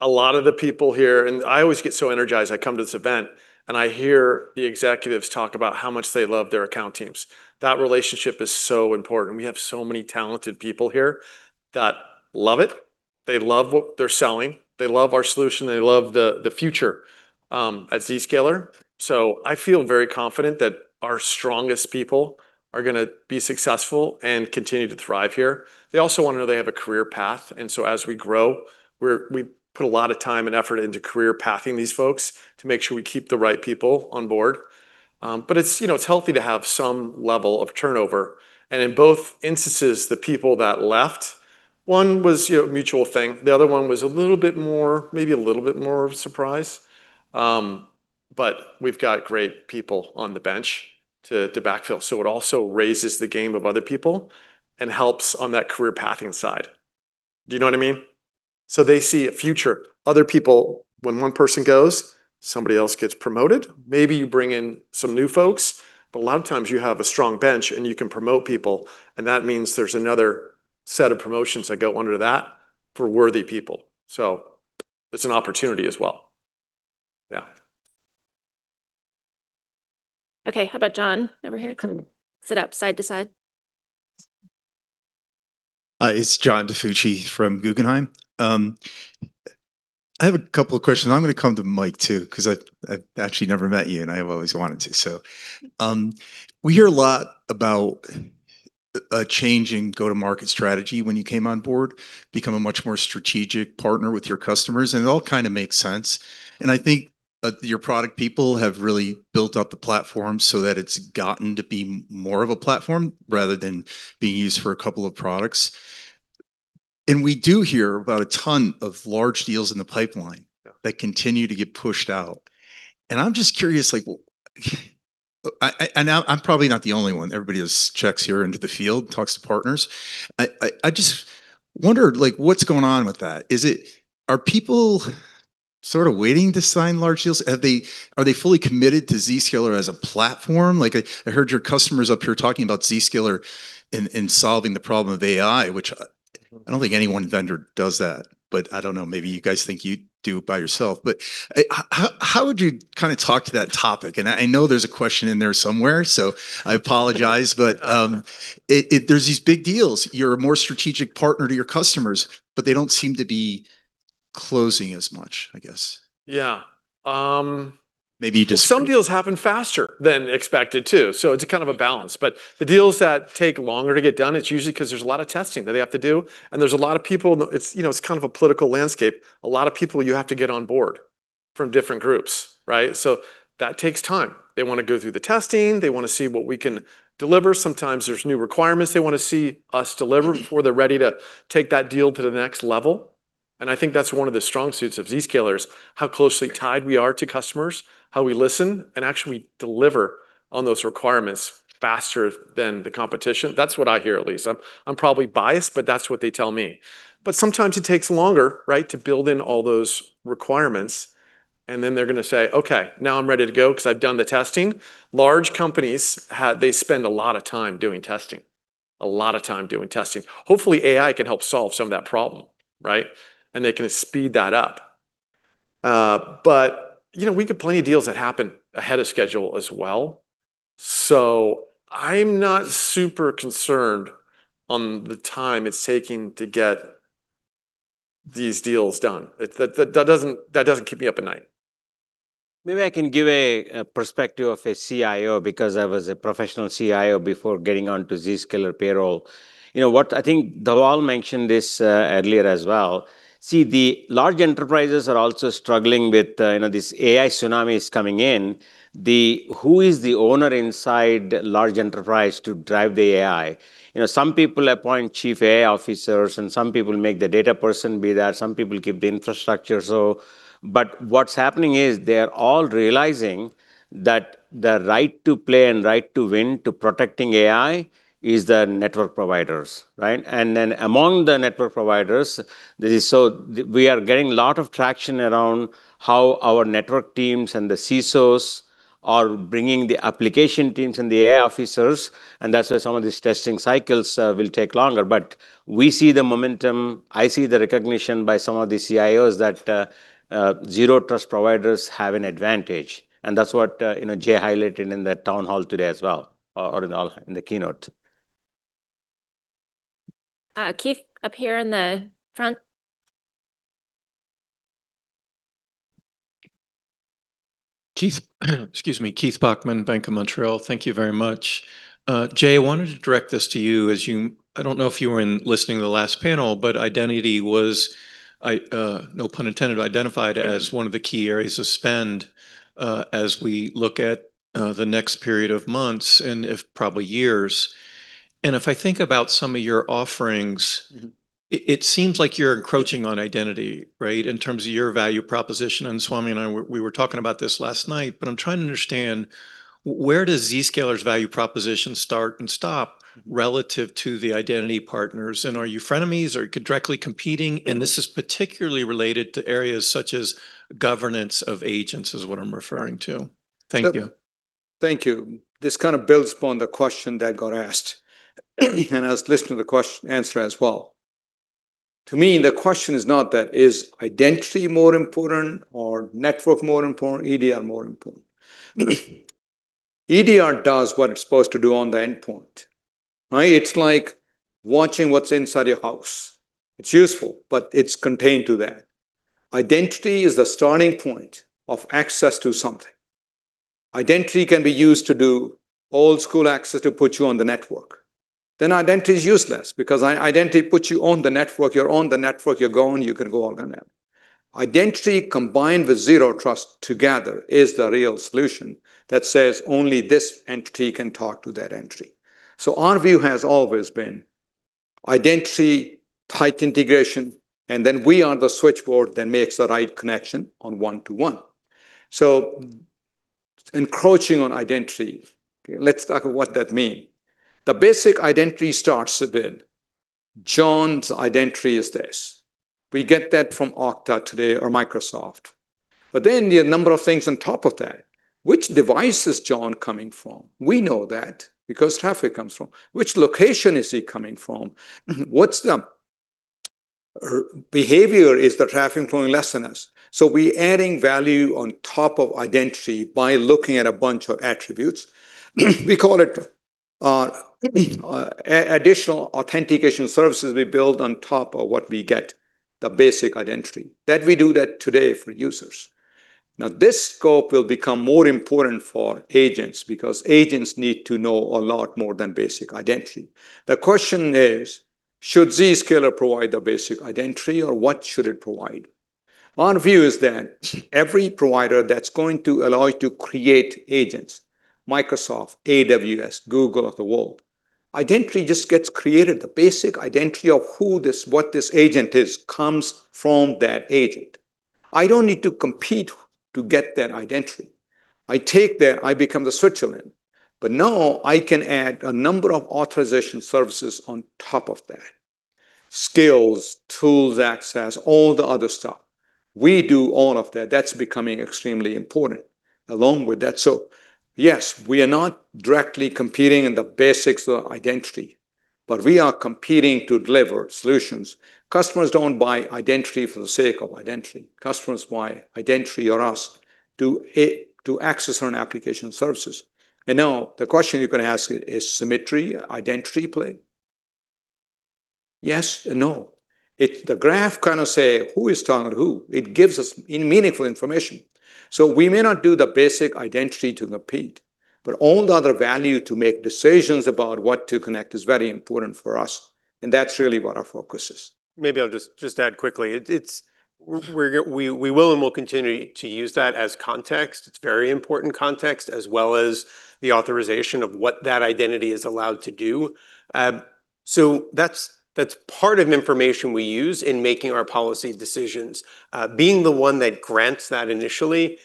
A lot of the people here, and I always get so energized, I come to this event, and I hear the executives talk about how much they love their account teams. That relationship is so important. We have so many talented people here that love it. They love what they're selling. They love our solution. They love the future at Zscaler. I feel very confident that our strongest people are going to be successful and continue to thrive here. They also want to know they have a career path. As we grow, we put a lot of time and effort into career pathing these folks to make sure we keep the right people on board. It's healthy to have some level of turnover. In both instances, the people that left, one was a mutual thing, the other one was maybe a little bit more of a surprise. We've got great people on the bench to backfill. It also raises the game of other people and helps on that career pathing side. Do you know what I mean? They see a future. Other people, when one person goes, somebody else gets promoted. Maybe you bring in some new folks. A lot of times you have a strong bench, you can promote people, that means there's another set of promotions that go under that for worthy people. It's an opportunity as well. Yeah. Okay. How about John over here? Come sit up side to side. It's John DiFucci from Guggenheim. I have a couple of questions. I'm going to come to Mike, too, because I actually never met you, I have always wanted to. We hear a lot about a change in go-to-market strategy when you came on board, become a much more strategic partner with your customers, it all kind of makes sense. I think your product people have really built up the platform so that it's gotten to be more of a platform rather than being used for a couple of products. We do hear about a ton of large deals in the pipeline that continue to get pushed out. Yeah. I'm just curious, and I'm probably not the only one. Everybody checks here into the field, talks to partners. I just wondered what's going on with that. Are people sort of waiting to sign large deals? Are they fully committed to Zscaler as a platform? I heard your customers up here talking about Zscaler in solving the problem of AI, which I don't think any one vendor does that, but I don't know, maybe you guys think you do by yourself. How would you talk to that topic? I know there's a question in there somewhere, so I apologize, there's these big deals. You're a more strategic partner to your customers, they don't seem to be closing as much, I guess. Yeah. Maybe you just- Some deals happen faster than expected, too. It's a kind of a balance. The deals that take longer to get done, it's usually because there's a lot of testing that they have to do, and it's kind of a political landscape. A lot of people you have to get on board from different groups, right? That takes time. They want to go through the testing. They want to see what we can deliver. Sometimes there's new requirements they want to see us deliver before they're ready to take that deal to the next level. I think that's one of the strong suits of Zscaler is how closely tied we are to customers, how we listen, and actually deliver on those requirements faster than the competition. That's what I hear, at least. I'm probably biased, that's what they tell me. Sometimes it takes longer, right, to build in all those requirements, and then they're going to say, "Okay, now I'm ready to go because I've done the testing." Large companies, they spend a lot of time doing testing. A lot of time doing testing. Hopefully, AI can help solve some of that problem, right? They can speed that up. We get plenty of deals that happen ahead of schedule as well. I'm not super concerned on the time it's taking to get these deals done. That doesn't keep me up at night. Maybe I can give a perspective of a CIO because I was a professional CIO before getting onto Zscaler payroll. I think Dhawal mentioned this earlier as well. The large enterprises are also struggling with this AI tsunami is coming in. Who is the owner inside large enterprise to drive the AI? Some people appoint Chief AI Officers, some people make the data person be that. Some people keep the infrastructure. What's happening is they're all realizing that the right to play and right to win to protecting AI is the network providers, right? Among the network providers, we are getting lot of traction around how our network teams and the CISOs are bringing the application teams and the AI Officers, and that's why some of these testing cycles will take longer. We see the momentum, I see the recognition by some of the CIOs that Zero Trust providers have an advantage, that's what Jay highlighted in the town hall today as well, or in the keynote. Keith, up here in the front. Excuse me. Keith Bachman, Bank of Montreal. Thank you very much. Jay, I wanted to direct this to you as you, I don't know if you were in listening to the last panel, but identity was, no pun intended, identified as one of the key areas to spend as we look at the next period of months and if probably years. If I think about some of your offerings, it seems like you're encroaching on identity, right, in terms of your value proposition. Swamy and I we were talking about this last night, but I'm trying to understand where does Zscaler's value proposition start and stop relative to the identity partners, are you frenemies? Are you directly competing? This is particularly related to areas such as governance of agents is what I'm referring to. Thank you. Thank you. This kind of builds upon the question that got asked. I was listening to the answer as well. To me, the question is not that is identity more important or network more important, EDR more important. EDR does what it's supposed to do on the endpoint, right? It's like watching what's inside your house. It's useful, but it's contained to that. Identity is the starting point of access to something. Identity can be used to do old school access to put you on the network. Identity is useless because identity puts you on the network. You're on the network. You're going, you can go on the net. Identity combined with zero trust together is the real solution that says only this entity can talk to that entity. Our view has always been identity, tight integration, and then we are the switchboard that makes the right connection on one-to-one. Encroaching on identity. Let's talk what that mean. The basic identity starts with John's identity is this. We get that from Okta today or Microsoft. You have a number of things on top of that. Which device is John coming from? We know that because traffic comes from. Which location is he coming from? What's the behavior? Is the traffic flowing less than us? We adding value on top of identity by looking at a bunch of attributes. We call it additional authentication services we build on top of what we get, the basic identity. That we do that today for users. Now, this scope will become more important for agents because agents need to know a lot more than basic identity. The question is, should Zscaler provide the basic identity or what should it provide? Our view is that every provider that's going to allow you to create agents, Microsoft, AWS, Google of the world, identity just gets created. The basic identity of who this, what this agent is, comes from that agent. I don't need to compete to get that identity. I take that, I become the Switzerland. I can add a number of authorization services on top of that. Skills, tools, access, all the other stuff. We do all of that. That's becoming extremely important along with that. Yes, we are not directly competing in the basics of identity, but we are competing to deliver solutions. Customers don't buy identity for the sake of identity. Customers buy identity or ask to access certain application services. The question you can ask, is Symmetry identity play? Yes and no. The graph kind of say who is talking to who. It gives us meaningful information. We may not do the basic identity to compete. All the other value to make decisions about what to connect is very important for us, and that's really what our focus is. Maybe I'll just add quickly. We will and will continue to use that as context. It's very important context, as well as the authorization of what that identity is allowed to do. That's part of information we use in making our policy decisions. Being the one that grants that initially,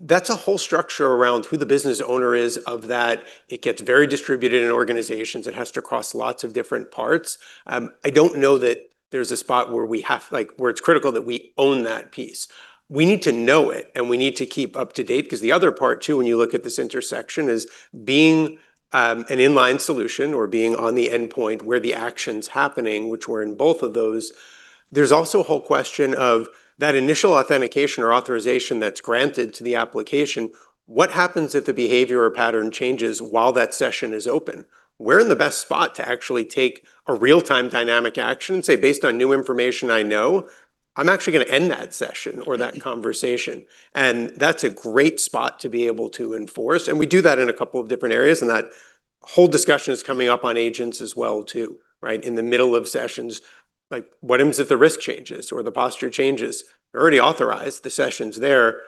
that's a whole structure around who the business owner is of that. It gets very distributed in organizations. It has to cross lots of different parts. I don't know that there's a spot where it's critical that we own that piece. We need to know it, and we need to keep up to date, because the other part, too, when you look at this intersection is being an inline solution or being on the endpoint where the action's happening, which we're in both of those. There's also a whole question of that initial authentication or authorization that's granted to the application. What happens if the behavior or pattern changes while that session is open? We're in the best spot to actually take a real-time dynamic action, say, based on new information I know, I'm actually going to end that session or that conversation. That's a great spot to be able to enforce, and we do that in a couple of different areas, and that whole discussion is coming up on agents as well, too, right? In the middle of sessions. What happens if the risk changes or the posture changes? They're already authorized. The session's there.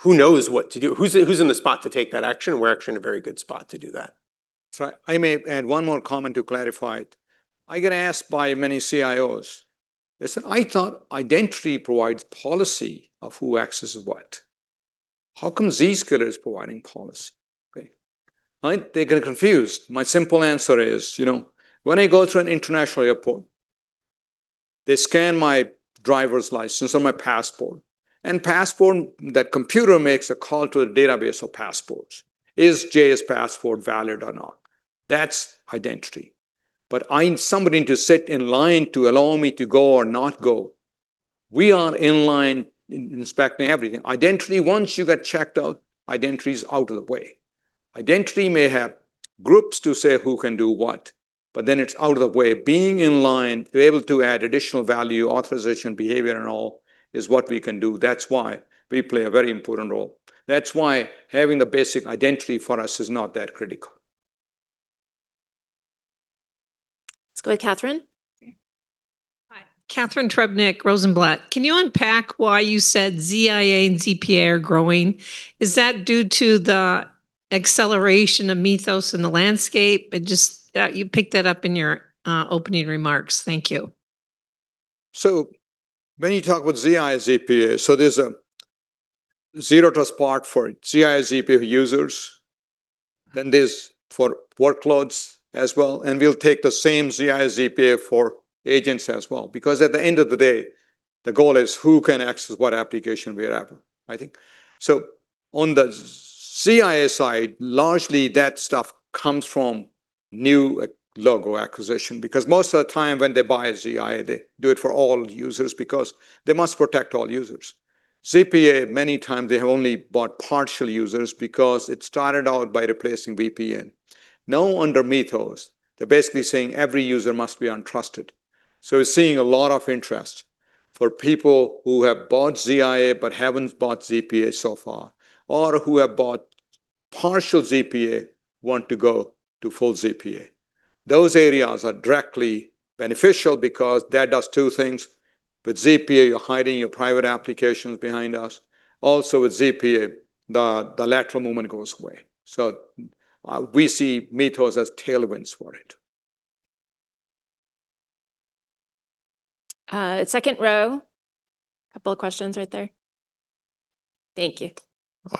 Who knows what to do? Who's in the spot to take that action? We're actually in a very good spot to do that. I may add one more comment to clarify it. I get asked by many CIOs. They said, "I thought identity provides policy of who accesses what. How come Zscaler is providing policy?" Okay. They get confused. My simple answer is, when I go to an international airport, they scan my driver's license or my passport, and that computer makes a call to a database of passports. Is Jay's passport valid or not? That's identity. I need somebody to sit in line to allow me to go or not go. We are in line inspecting everything. Identity, once you get checked out, identity's out of the way. Identity may have groups to say who can do what, but then it's out of the way. Being in line, to be able to add additional value, authorization, behavior, and all is what we can do. That's why we play a very important role. That's why having a basic identity for us is not that critical. Let's go with Catharine. Hi. Catharine Trebnick Rosenblatt. Can you unpack why you said ZIA and ZPA are growing? Is that due to the acceleration of Mythos in the landscape? You picked that up in your opening remarks. Thank you. When you talk about ZIA, ZPA, so there's a zero trust part for ZIA, ZPA users, then there's for workloads as well, and we'll take the same ZIA, ZPA for agents as well, because at the end of the day, the goal is who can access what application wherever, I think. On the ZIA side, largely that stuff comes from new logo acquisition, because most of the time when they buy ZIA, they do it for all users because they must protect all users. ZPA, many times, they have only bought partial users because it started out by replacing VPN. Now under Mythos, they're basically saying every user must be untrusted. We're seeing a lot of interest for people who have bought ZIA but haven't bought ZPA so far, or who have bought partial ZPA want to go to full ZPA. Those areas are directly beneficial because that does two things. With ZPA, you're hiding your private applications behind us. Also with ZPA, the lateral movement goes away. We see Mythos as tailwinds for it. Second row. Couple of questions right there. Thank you.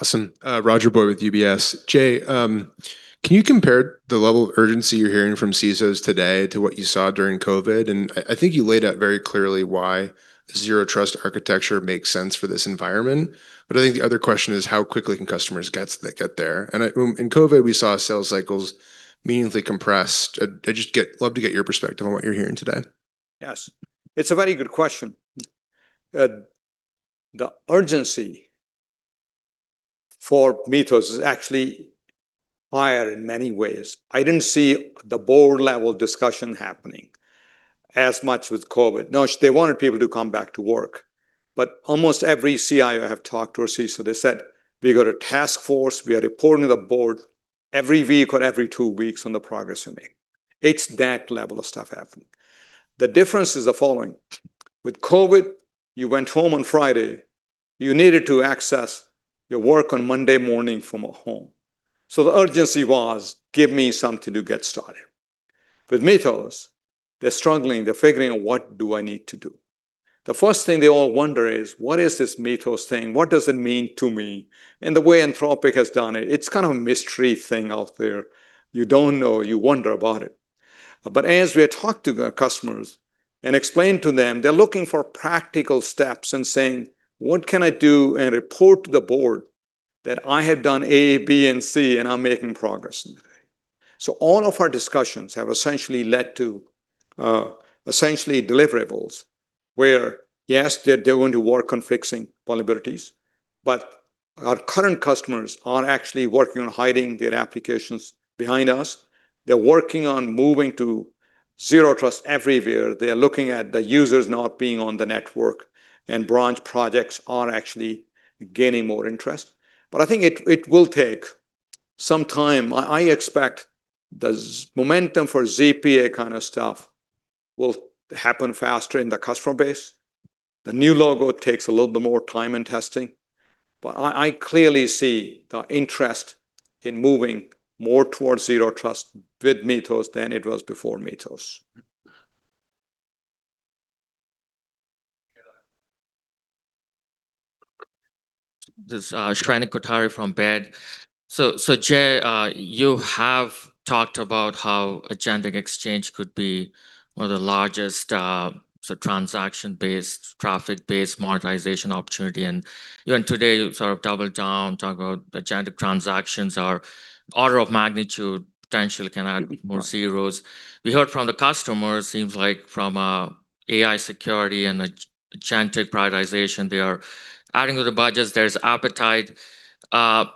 Awesome. Roger Boyd with UBS. Jay, can you compare the level of urgency you're hearing from CISOs today to what you saw during COVID? I think you laid out very clearly why zero trust architecture makes sense for this environment. I think the other question is, how quickly can customers get there? In COVID, we saw sales cycles meaningfully compressed. I'd just love to get your perspective on what you're hearing today. Yes. It's a very good question. The urgency for Mythos is actually higher in many ways. I didn't see the board level discussion happening as much with COVID. They wanted people to come back to work, but almost every CIO I have talked to or CISO, they said, "We got a task force. We are reporting to the board every week or every two weeks on the progress we're making." It's that level of stuff happening. The difference is the following. With COVID, you went home on Friday, you needed to access your work on Monday morning from home. The urgency was, give me something to get started. With Mythos, they're struggling. They're figuring out, what do I need to do? The first thing they all wonder is, what is this Mythos thing? What does it mean to me? The way Anthropic has done it's kind of a mystery thing out there. You don't know. You wonder about it. As we have talked to the customers and explained to them, they're looking for practical steps and saying, "What can I do and report to the board that I have done A, B, and C, and I'm making progress?" All of our discussions have essentially led to essentially deliverables where, yes, they're going to work on fixing vulnerabilities, but our current customers are actually working on hiding their applications behind us. They're working on moving to Zero Trust Everywhere. They're looking at the users not being on the network, and branch projects are actually gaining more interest. I think it will take sometime, I expect the momentum for ZPA kind of stuff will happen faster in the customer base. The new logo takes a little bit more time in testing. I clearly see the interest in moving more towards zero trust with Mythos than it was before Mythos. This is Shrenik Kothari from Baird. Jay, you have talked about how Agentic Exchange could be one of the largest transaction-based, traffic-based monetization opportunity. Even today, you sort of double down, talk about agentic transactions are order of magnitude, potentially can add more zeros. We heard from the customers, seems like from AI security and agentic privatization, they are adding to the budgets. There's appetite.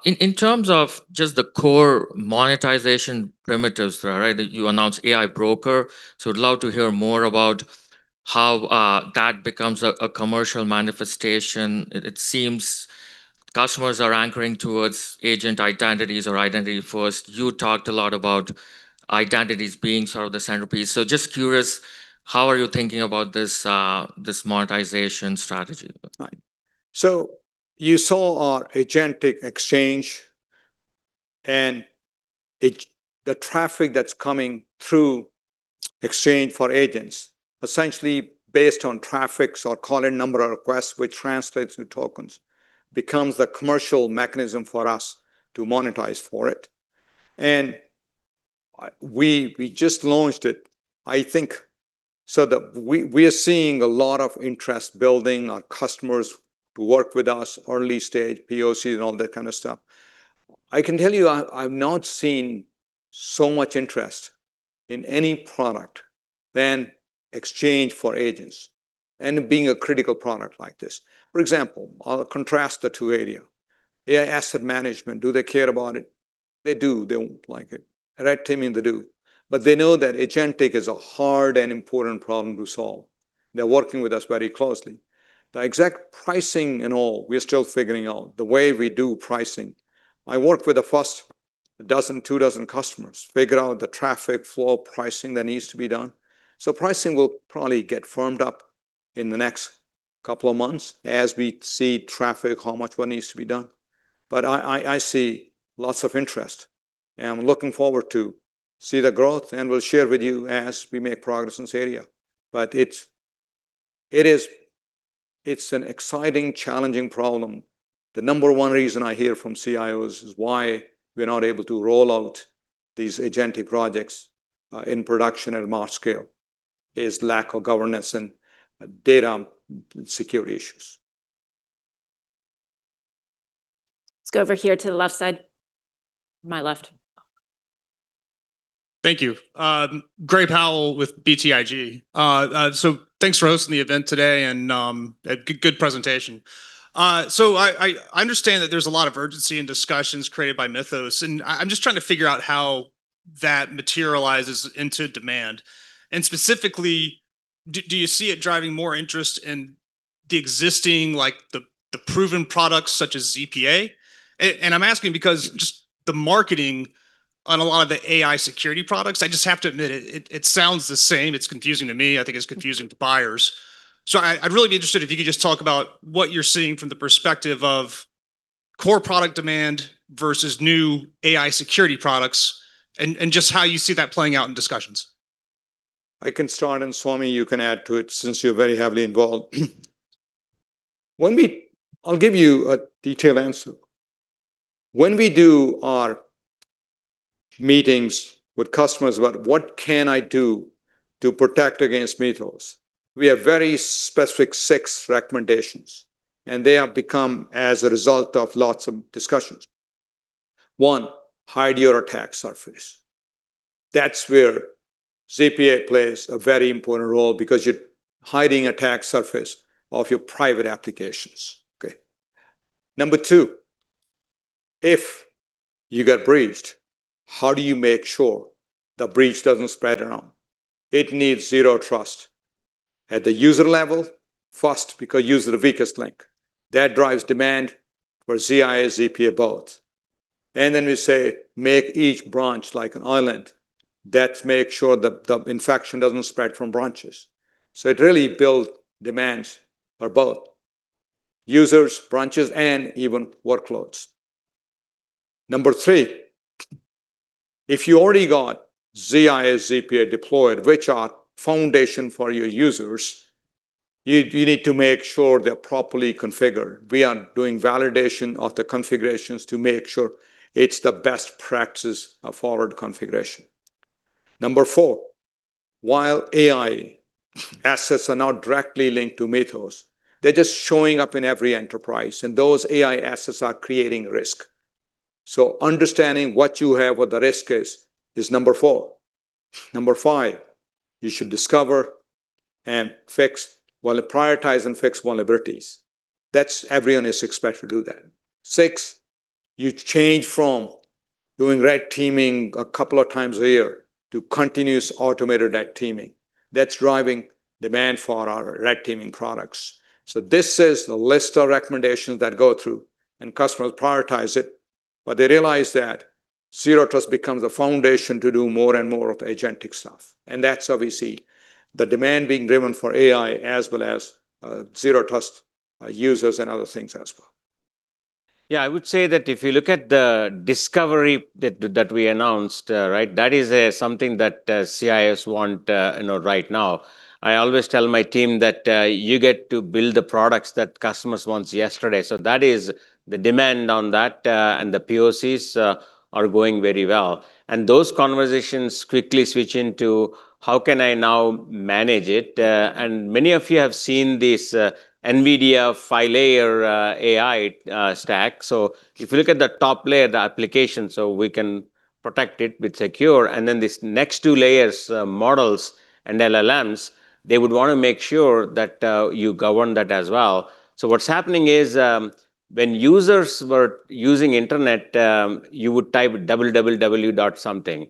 In terms of just the core monetization parameters, you announced AI Broker, would love to hear more about how that becomes a commercial manifestation. It seems customers are anchoring towards agent identities or identity first. You talked a lot about identities being sort of the centerpiece. Just curious, how are you thinking about this monetization strategy? You saw our Agentic Exchange and the traffic that's coming through exchange for agents, essentially based on traffic or call in number of requests, which translates to tokens, becomes the commercial mechanism for us to monetize for it. We just launched it, I think. We are seeing a lot of interest building, our customers who work with us, early stage POCs and all that kind of stuff. I can tell you, I've not seen so much interest in any product than exchange for agents and it being a critical product like this. For example, I'll contrast the two areas. AI asset management, do they care about it? They do. They like it. Red teaming they do. They know that agentic is a hard and important problem to solve. They're working with us very closely. The exact pricing and all, we are still figuring out, the way we do pricing. I work with the first dozen, two dozen customers, figure out the traffic flow pricing that needs to be done. Pricing will probably get firmed up in the next couple of months as we see traffic, how much work needs to be done. I see lots of interest, and I'm looking forward to see the growth, and we'll share with you as we make progress in this area. It's an exciting, challenging problem. The number one reason I hear from CIOs is why we're not able to roll out these agentic projects in production at a large scale is lack of governance and data security issues. Let's go over here to the left side. My left. Thank you. Gray Powell with BTIG. Thanks for hosting the event today and good presentation. I understand that there's a lot of urgency and discussions created by Mythos, and I'm just trying to figure out how that materializes into demand. Specifically, do you see it driving more interest in the existing, the proven products such as ZPA? I'm asking because just the marketing on a lot of the AI security products, I just have to admit, it sounds the same. It's confusing to me. I think it's confusing to buyers. I'd really be interested if you could just talk about what you're seeing from the perspective of core product demand versus new AI security products and just how you see that playing out in discussions. I can start, and Swamy, you can add to it since you're very heavily involved. I'll give you a detailed answer. When we do our meetings with customers about what can I do to protect against Mythos, we have very specific six recommendations, and they have become as a result of lots of discussions. One, hide your attack surface. That's where ZPA plays a very important role because you're hiding attack surface of your private applications. Okay. Number two, if you got breached, how do you make sure the breach doesn't spread around? It needs Zero Trust at the user level first, because user the weakest link. That drives demand for ZIA, ZPA, both. We say, make each branch like an island. That makes sure the infection doesn't spread from branches. It really build demands for both users, branches, and even workloads. Number three, if you already got ZIA, ZPA deployed, which are foundation for your users, you need to make sure they're properly configured. We are doing validation of the configurations to make sure it's the best practice of forward configuration. Number four, while AI assets are not directly linked to Mythos, they're just showing up in every enterprise, and those AI assets are creating risk. Understanding what you have, what the risk is number four. Number five, you should discover and fix, well prioritize and fix vulnerabilities. Everyone is expected to do that. Six, you change from doing red teaming a couple of times a year to continuous automated red teaming. That's driving demand for our red teaming products. This is the list of recommendations that go through, customers prioritize it, they realize that Zero Trust becomes a foundation to do more and more of agentic stuff. That's how we see the demand being driven for AI as well as Zero Trust users and other things as well. I would say that if you look at the discovery that we announced, that is something that CISOs want right now. I always tell my team that you get to build the products that customers want yesterday. That is the demand on that, the POCs are going very well. Those conversations quickly switch into, how can I now manage it? Many of you have seen this NVIDIA 5-layer AI stack. If you look at the top layer, the application, we can protect it with secure, then these next two layers, models and LLMs, they would want to make sure that you govern that as well. What's happening is, when users were using internet, you would type www.something.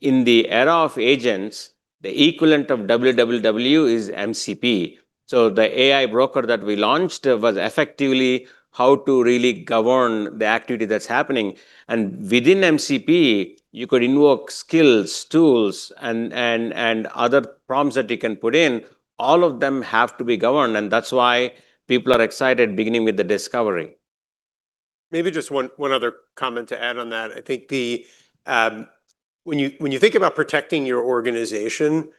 In the era of agents, the equivalent of www is MCP. The AI Broker that we launched was effectively how to really govern the activity that's happening. Within MCP, you could invoke skills, tools, and other prompts that you can put in. All of them have to be governed, that's why people are excited, beginning with the discovery. Maybe just one other comment to add on that. When you think about protecting your organization,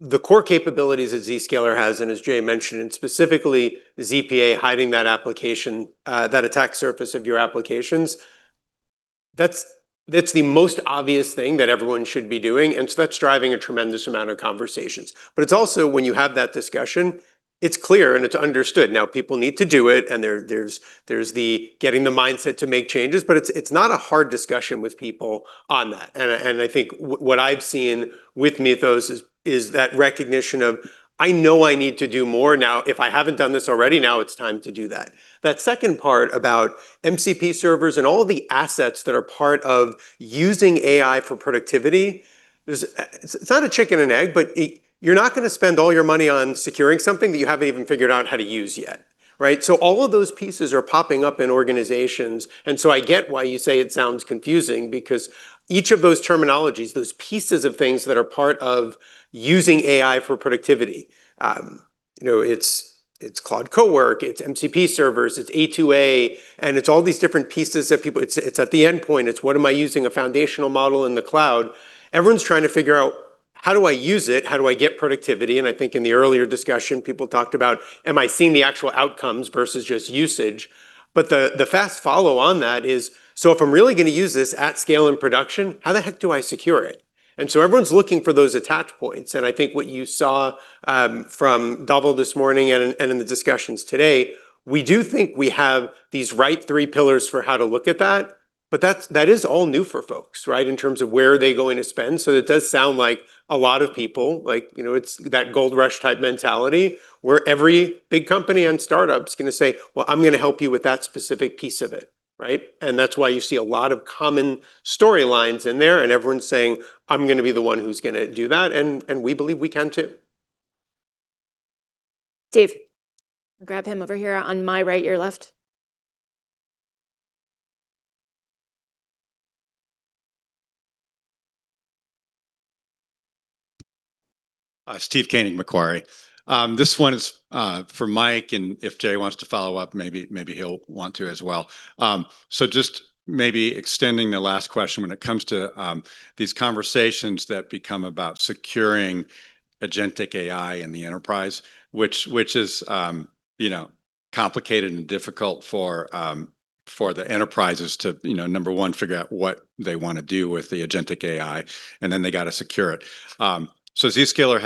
the core capabilities that Zscaler has, as Jay mentioned, specifically ZPA hiding that attack surface of your applications, that's the most obvious thing that everyone should be doing. That's driving a tremendous amount of conversations. It's also when you have that discussion, it's clear it's understood. Now people need to do it, there's the getting the mindset to make changes, it's not a hard discussion with people on that. What I've seen with Mythos is that recognition of, I know I need to do more now. If I haven't done this already, now it's time to do that. That second part about MCP servers and all of the assets that are part of using AI for productivity, it is not a chicken and egg, you are not going to spend all your money on securing something that you have not even figured out how to use yet. Right? All of those pieces are popping up in organizations, I get why you say it sounds confusing, because each of those terminologies, those pieces of things that are part of using AI for productivity, it is Claude Cowork, it is MCP servers, it is A2A, it is all these different pieces that people It is at the endpoint. It is what am I using a foundational model in the cloud? Everyone is trying to figure out how do I use it, how do I get productivity, I think in the earlier discussion, people talked about am I seeing the actual outcomes versus just usage. The fast follow on that is, if I am really going to use this at scale in production, how the heck do I secure it? Everyone is looking for those attach points, I think what you saw from Dhawal this morning and in the discussions today, we do think we have these right three pillars for how to look at that is all new for folks, right, in terms of where are they going to spend. It does sound like a lot of people, like it is that gold rush type mentality, where every big company and startup is going to say, "Well, I am going to help you with that specific piece of it." Right? That is why you see a lot of common story lines in there, everyone saying, "I am going to be the one who is going to do that." We believe we can too. Steve. Grab him over here on my right, your left. Steve Koenig, Macquarie. This one is for Mike, and if Jay wants to follow up, maybe he'll want to as well. Just maybe extending the last question, when it comes to these conversations that become about securing agentic AI in the enterprise, which is complicated and difficult for the enterprises to, number one, figure out what they want to do with the agentic AI, and then they got to secure it. Zscaler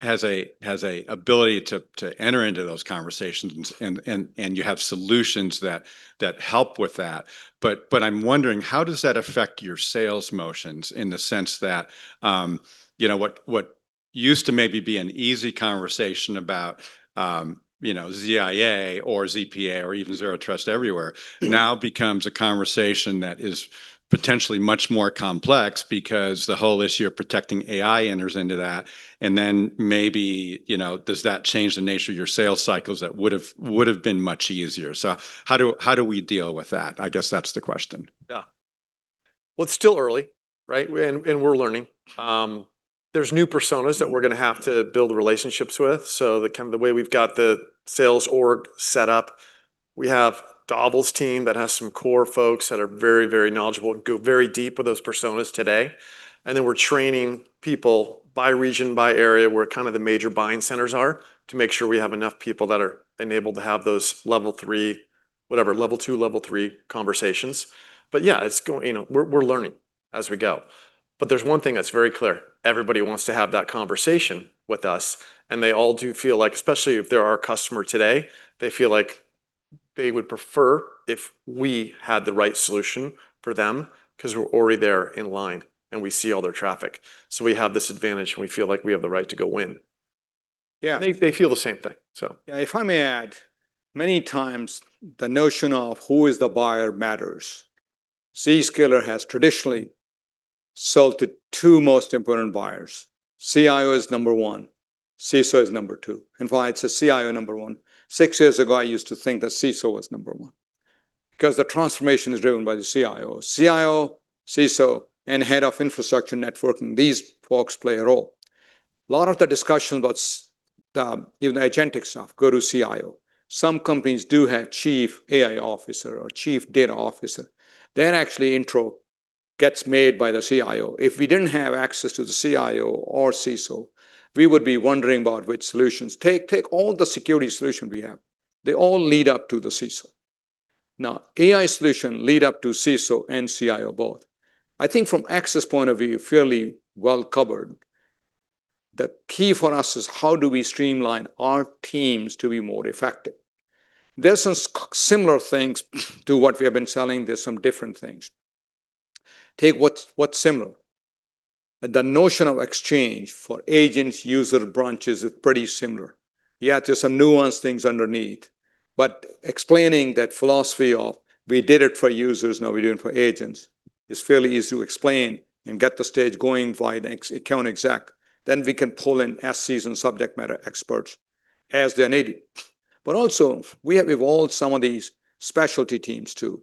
has a ability to enter into those conversations, and you have solutions that help with that. I'm wondering, how does that affect your sales motions in the sense that what used to maybe be an easy conversation about ZIA or ZPA or even Zero Trust Everywhere now becomes a conversation that is potentially much more complex because the whole issue of protecting AI enters into that, and then maybe does that change the nature of your sales cycles that would've been much easier? How do we deal with that? I guess that's the question. Yeah. Well, it's still early, right? We're learning. There's new personas that we're going to have to build relationships with. The way we've got the sales org set up, we have Dhawal's team that has some core folks that are very, very knowledgeable and go very deep with those personas today. Then we're training people by region, by area, where the major buying centers are, to make sure we have enough people that are enabled to have those level three, whatever, level two, level three conversations. Yeah, we're learning as we go. There's one thing that's very clear: everybody wants to have that conversation with us, and they all do feel like, especially if they're our customer today, they feel like they would prefer if we had the right solution for them because we're already there in line, and we see all their traffic. We have this advantage, and we feel like we have the right to go win. Yeah. They feel the same thing. Yeah, if I may add, many times the notion of who is the buyer matters. Zscaler has traditionally sold to two most important buyers. CIO is number one, CISO is number two. Why it's a CIO number one? Six years ago, I used to think that CISO was number one. The transformation is driven by the CIO. CIO, CISO, and head of infrastructure networking, these folks play a role. Lot of the discussion about even agentic stuff go to CIO. Some companies do have Chief AI Officer or Chief Data Officer. Actually intro gets made by the CIO. If we didn't have access to the CIO or CISO, we would be wondering about which solutions. Take all the security solution we have. They all lead up to the CISO. AI solution lead up to CISO and CIO both. I think from access point of view, fairly well-covered. The key for us is how do we streamline our teams to be more effective? There's some similar things to what we have been selling, there's some different things. Take what's similar. The notion of exchange for agents, user branches are pretty similar. There's some nuanced things underneath, but explaining that philosophy of we did it for users, now we're doing it for agents, is fairly easy to explain and get the stage going via an account exec. We can pull in our seasoned subject matter experts as they're needed. Also, we have evolved some of these specialty teams, too.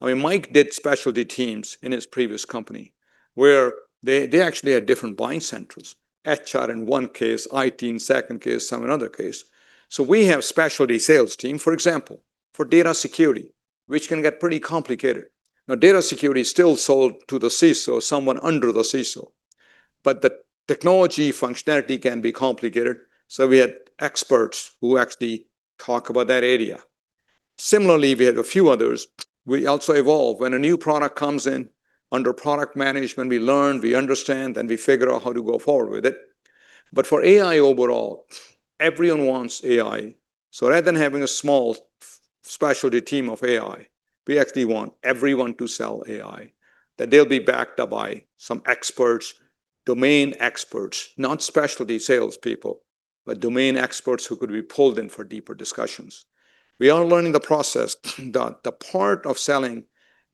I mean, Mike did specialty teams in his previous company, where they actually had different buying centers. HR in one case, IT in second case, some another case. We have specialty sales team, for example, for data security, which can get pretty complicated. Data security is still sold to the CISO, someone under the CISO. The technology functionality can be complicated, we had experts who actually talk about that area. Similarly, we had a few others. We also evolve. When a new product comes in, under product management, we learn, we understand, and we figure out how to go forward with it. For AI overall, everyone wants AI. Rather than having a small specialty team of AI, we actually want everyone to sell AI. That they'll be backed up by some experts, domain experts, not specialty salespeople, but domain experts who could be pulled in for deeper discussions. We are learning the process. The part of selling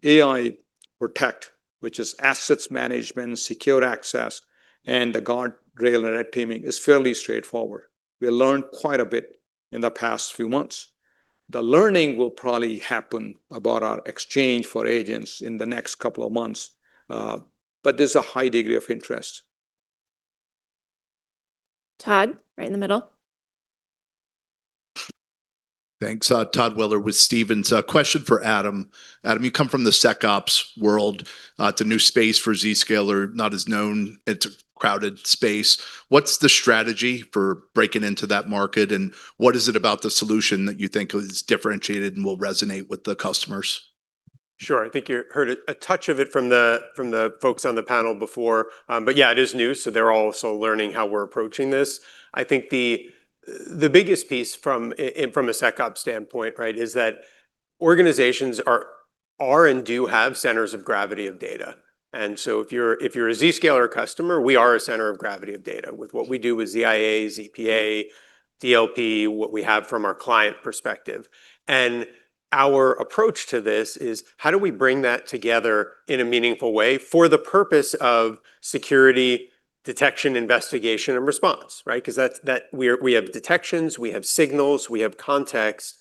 AI Protect, which is assets management, secure access, and the guardrail and red teaming, is fairly straightforward. We learned quite a bit in the past few months. The learning will probably happen about our exchange for agents in the next couple of months, but there's a high degree of interest. Todd, right in the middle. Thanks. Todd Weller with Stephens. A question for Adam. Adam, you come from the SecOps world. It's a new space for Zscaler, not as known. It's a crowded space. What's the strategy for breaking into that market, and what is it about the solution that you think is differentiated and will resonate with the customers? Sure. I think you heard a touch of it from the folks on the panel before. Yeah, it is new, so they're also learning how we're approaching this. I think the biggest piece from a SecOps standpoint is that organizations are and do have centers of gravity of data. So if you're a Zscaler customer, we are a center of gravity of data with what we do with ZIA, ZPA, DLP, what we have from our client perspective. Our approach to this is how do we bring that together in a meaningful way for the purpose of security, detection, investigation, and response, right? Because we have detections, we have signals, we have context,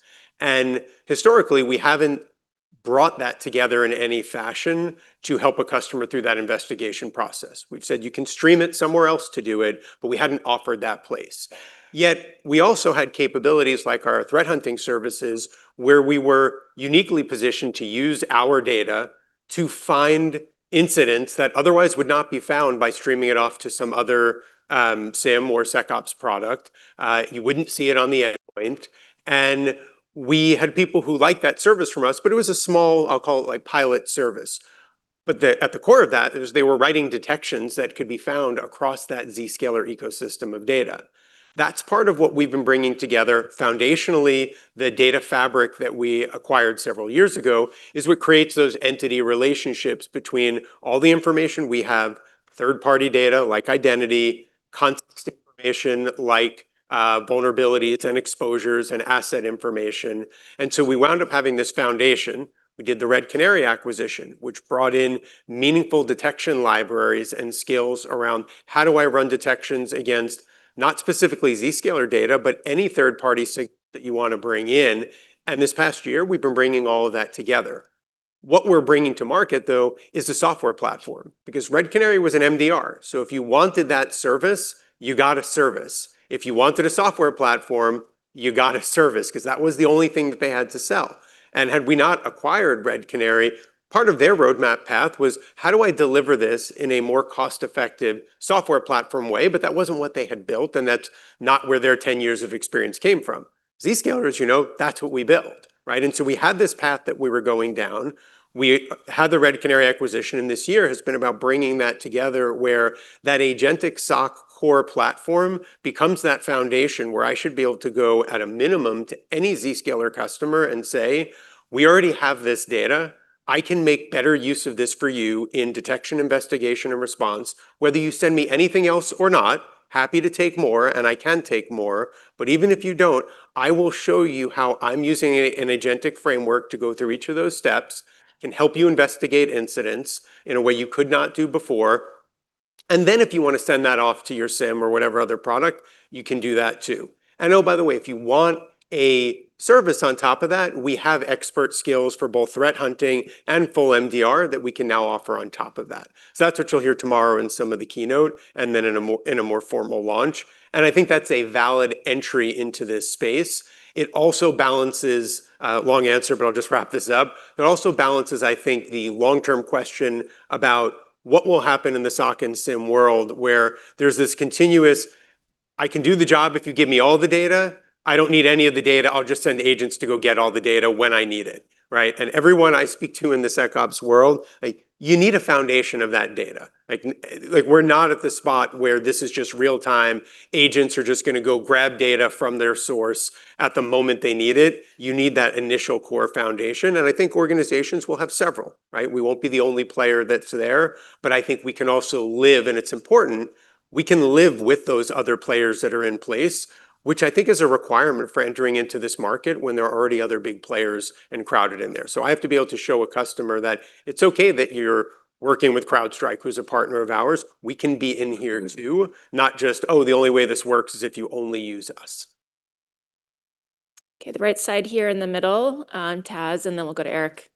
historically, we haven't brought that together in any fashion to help a customer through that investigation process. We've said you can stream it somewhere else to do it, but we hadn't offered that place. Yet, we also had capabilities like our threat hunting services, where we were uniquely positioned to use our data to find incidents that otherwise would not be found by streaming it off to some other SIEM or SecOps product. You wouldn't see it on the endpoint. We had people who liked that service from us, but it was a small, I'll call it pilot service. At the core of that is they were writing detections that could be found across that Zscaler ecosystem of data. That's part of what we've been bringing together. Foundationally, the data fabric that we acquired several years ago is what creates those entity relationships between all the information we have, third-party data like identity, context information like vulnerabilities and exposures, and asset information. We wound up having this foundation. We did the Red Canary acquisition, which brought in meaningful detection libraries and skills around how do I run detections against, not specifically Zscaler data, but any third party SIEM that you want to bring in. This past year, we've been bringing all of that together. What we're bringing to market, though, is the software platform, because Red Canary was an MDR. If you wanted that service, you got a service. If you wanted a software platform, you got a service, because that was the only thing that they had to sell. Had we not acquired Red Canary, part of their roadmap path was, how do I deliver this in a more cost-effective software platform way? That wasn't what they had built, and that's not where their 10 years of experience came from. Zscaler, as you know, that's what we build, right? We had this path that we were going down. We had the Red Canary acquisition, this year has been about bringing that together, where that Agentic SOC core platform becomes that foundation where I should be able to go, at a minimum, to any Zscaler customer and say, "We already have this data. I can make better use of this for you in detection, investigation, and response. Whether you send me anything else or not, happy to take more, and I can take more. Even if you don't, I will show you how I'm using an agentic framework to go through each of those steps and help you investigate incidents in a way you could not do before." If you want to send that off to your SIEM or whatever other product, you can do that too. Oh, by the way, if you want a service on top of that, we have expert skills for both threat hunting and full MDR that we can now offer on top of that. That's what you'll hear tomorrow in some of the keynote and then in a more formal launch. I think that's a valid entry into this space. Long answer, I'll just wrap this up. It also balances, I think, the long-term question about what will happen in the SOC and SIEM world, where there's this continuous, I can do the job if you give me all the data. I don't need any of the data. I'll just send agents to go get all the data when I need it. Right? Everyone I speak to in the SecOps world, you need a foundation of that data. We're not at the spot where this is just real-time, agents are just going to go grab data from their source at the moment they need it. You need that initial core foundation, and I think organizations will have several. Right? We won't be the only player that's there, I think we can also live, and it's important, we can live with those other players that are in place, which I think is a requirement for entering into this market when there are already other big players and crowded in there. I have to be able to show a customer that it's okay that you're working with CrowdStrike, who's a partner of ours. We can be in here, too, not just, oh, the only way this works is if you only use us. Okay, the right side here in the middle, Taz, and then we'll go to Eric.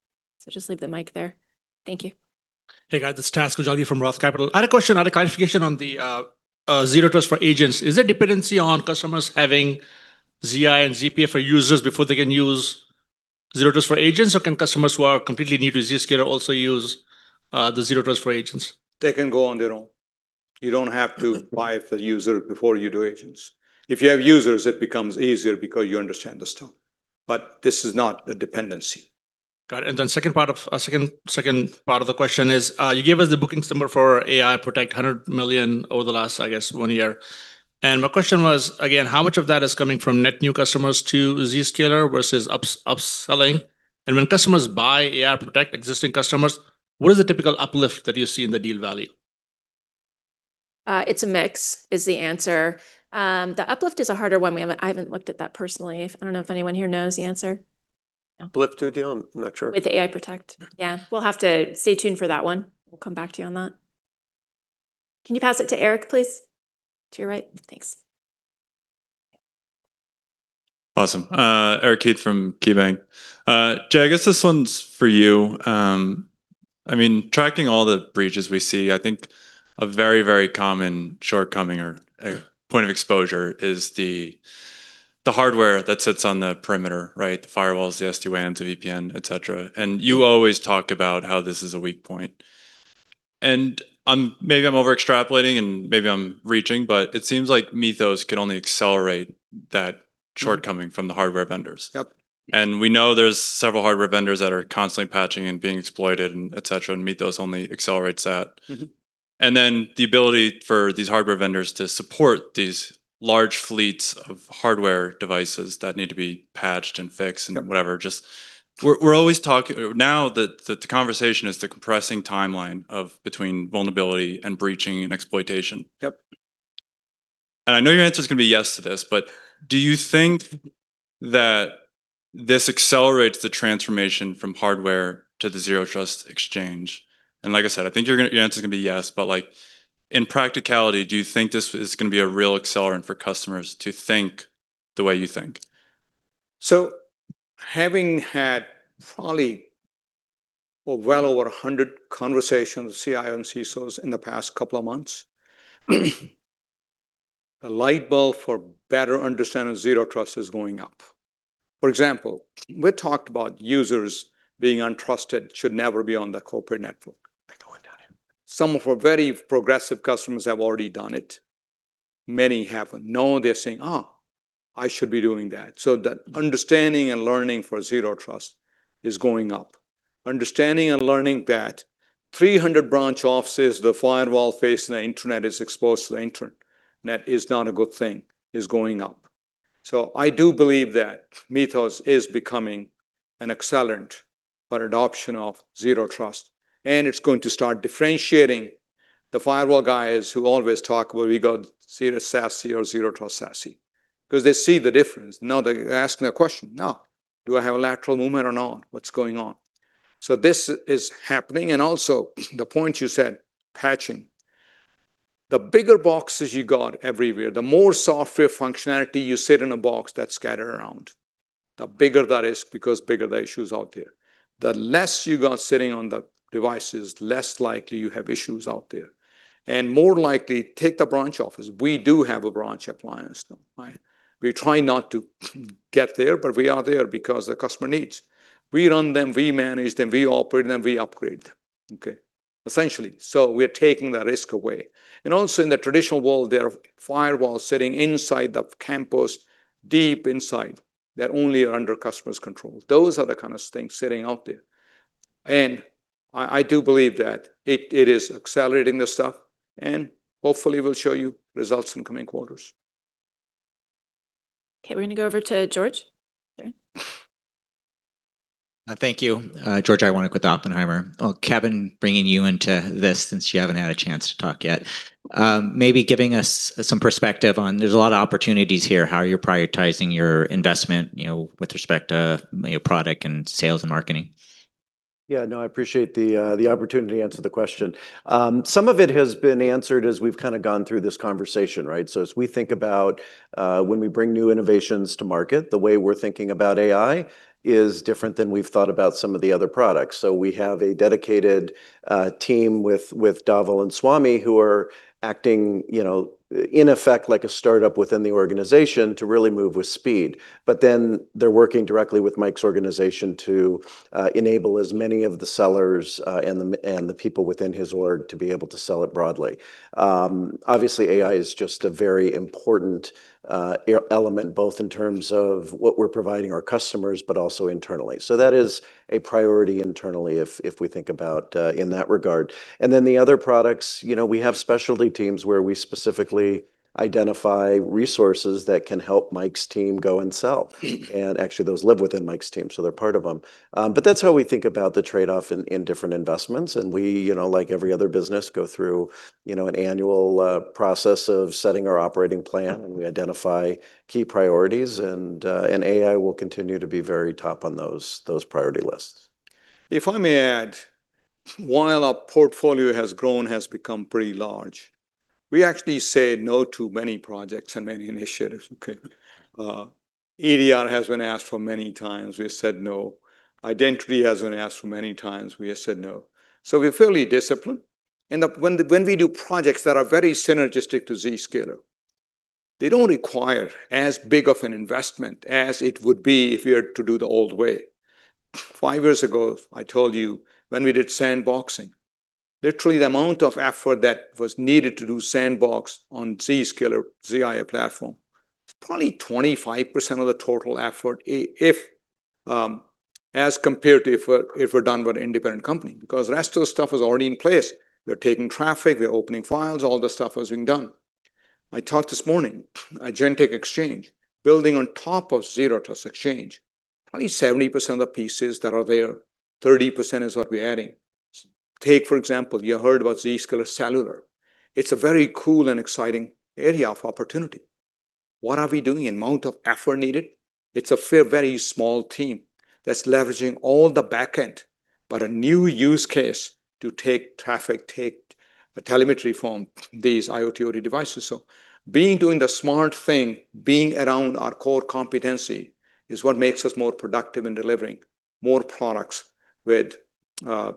Just leave the mic there. Thank you. Hey, guys. It's Taz Koujalgi from Roth Capital. I had a question, I had a clarification on the Zero Trust for Agentic AI. Is there dependency on customers having ZIA and ZPA for users before they can use Zero Trust for Agentic AI? Or can customers who are completely new to Zscaler also use the Zero Trust for Agentic AI? They can go on their own. You don't have to buy the user before you do agents. If you have users, it becomes easier because you understand the stuff. This is not a dependency. Got it. Second part of the question is, you gave us the bookings number for AI Protect, $100 million over the last, I guess, one year. My question was, again, how much of that is coming from net new customers to Zscaler versus upselling? When customers buy AI Protect, existing customers, what is the typical uplift that you see in the deal value? It's a mix, is the answer. The uplift is a harder one. I haven't looked at that personally. I don't know if anyone here knows the answer. No. Uplift to a deal? I'm not sure. With the AI Protect. Yeah. We'll have to stay tuned for that one. We'll come back to you on that. Can you pass it to Eric, please? To your right. Thanks. Awesome. Eric Heath from KeyBanc. Jay, I guess this one's for you. Tracking all the breaches we see, I think a very common shortcoming or point of exposure is the hardware that sits on the perimeter, right? The firewalls, the SD-WANs, the VPN, et cetera. You always talk about how this is a weak point. Maybe I'm over-extrapolating and maybe I'm reaching, but it seems like Mythos can only accelerate that shortcoming from the hardware vendors. Yep. We know there's several hardware vendors that are constantly patching and being exploited and et cetera. Mythos only accelerates that. The ability for these hardware vendors to support these large fleets of hardware devices that need to be patched and fixed and whatever. Now, the conversation is the compressing timeline between vulnerability and breaching and exploitation. Yep. I know your answer is going to be yes to this, but do you think that this accelerates the transformation from hardware to the Zero Trust Exchange? Like I said, I think your answer is going to be yes, but in practicality, do you think this is going to be a real accelerant for customers to think the way you think? Having had probably well over 100 conversations with CIO and CISOs in the past couple of months, a light bulb for better understanding Zero Trust is going up. For example, we talked about users being untrusted should never be on the corporate network. Like going down. Some of our very progressive customers have already done it. Many haven't. No, they're saying, "Oh, I should be doing that." That understanding and learning for Zero Trust is going up. Understanding and learning that 300 branch offices, the firewall facing the internet is exposed to the internet is not a good thing, is going up. I do believe that Mythos is becoming an accelerant for adoption of Zero Trust, and it's going to start differentiating the firewall guys who always talk, "Well, we got Zero SASE or Zero Trust SASE," because they see the difference. Now they're asking a question. Now, do I have a lateral movement or not? What's going on? This is happening, and also the point you said, patching. The bigger boxes you got everywhere, the more software functionality you sit in a box that's scattered around, the bigger the risk because bigger the issues out there. The less you got sitting on the devices, less likely you have issues out there. More likely, take the branch office. We do have a branch appliance, though, right? We try not to get there, but we are there because the customer needs. We run them, we manage them, we operate them, we upgrade them, okay? Essentially. We're taking the risk away. Also in the traditional world, there are firewalls sitting inside the campus, deep inside, that only are under customer's control. Those are the kind of things sitting out there. I do believe that it is accelerating this stuff, and hopefully we'll show you results in coming quarters. Okay, we're going to go over to George. Go ahead. Thank you. George Iwanyc with Oppenheimer. Kevin, bringing you into this since you haven't had a chance to talk yet. Maybe giving us some perspective on, there's a lot of opportunities here, how you're prioritizing your investment with respect to your product and sales and marketing. Yeah, no, I appreciate the opportunity to answer the question. Some of it has been answered as we've gone through this conversation. As we think about when we bring new innovations to market, the way we're thinking about AI is different than we've thought about some of the other products. We have a dedicated team with Dhawal and Swamy who are acting, in effect, like a startup within the organization to really move with speed. They're working directly with Mike's organization to enable as many of the sellers and the people within his org to be able to sell it broadly. Obviously, AI is just a very important element, both in terms of what we're providing our customers, but also internally. That is a priority internally if we think about in that regard. And then the other products, we have specialty teams where we specifically identify resources that can help Mike's team go and sell. Actually, those live within Mike's team, so they're part of them. That's how we think about the trade-off in different investments. We, like every other business, go through an annual process of setting our operating plan, and we identify key priorities. AI will continue to be very top on those priority lists. If I may add, while our portfolio has grown, has become pretty large, we actually say no to many projects and many initiatives. EDR has been asked for many times. We said no. Identity has been asked for many times. We have said no. We're fairly disciplined. When we do projects that are very synergistic to Zscaler, they don't require as big of an investment as it would be if we were to do the old way. Five years ago, I told you when we did sandboxing, literally the amount of effort that was needed to do sandbox on Zscaler, ZIA platform, probably 25% of the total effort as compared to if it were done by an independent company. The rest of the stuff was already in place. They're taking traffic. They're opening files. All the stuff was being done. I talked this morning at Agentic Exchange, building on top of Zero Trust Exchange, probably 70% of the pieces that are there, 30% is what we're adding. Take, for example, you heard about Zscaler Cellular. It's a very cool and exciting area of opportunity. What are we doing? The amount of effort needed. It's a very small team that's leveraging all the back end, but a new use case to take traffic, take the telemetry from these IoT devices. Being doing the smart thing, being around our core competency is what makes us more productive in delivering more products with great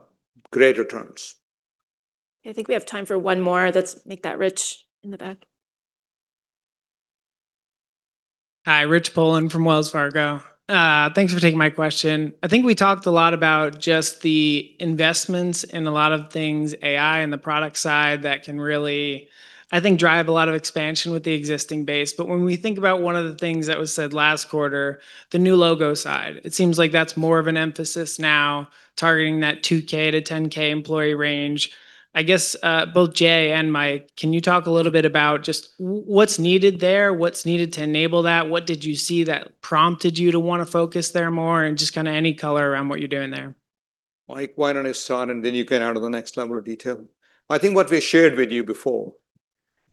returns. I think we have time for one more. Let's make that Rich in the back. Hi, Rich Poland from Wells Fargo. Thanks for taking my question. I think we talked a lot about just the investments in a lot of things, AI and the product side that can really, I think, drive a lot of expansion with the existing base. When we think about one of the things that was said last quarter, the new logo side. It seems like that's more of an emphasis now, targeting that 2K to 10K employee range. I guess, both Jay and Mike, can you talk a little bit about just what's needed there, what's needed to enable that? What did you see that prompted you to want to focus there more and just any color around what you're doing there? Mike, why don't you start, and then you can add on the next level of detail. I think what we shared with you before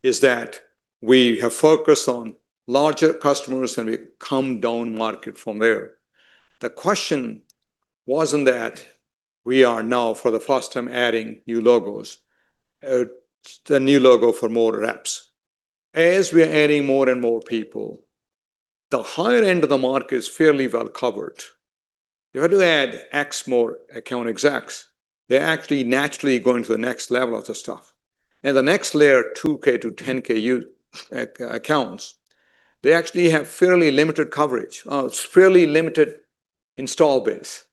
is that we have focused on larger customers, and we come down market from there. The question wasn't that we are now, for the first time, adding new logos, the new logo for more reps. We are adding more and more people, the higher end of the market is fairly well covered. If I do add X more account execs, they're actually naturally going to the next level of the stuff. The next layer, 2K to 10K accounts, they actually have fairly limited coverage, fairly limited install base.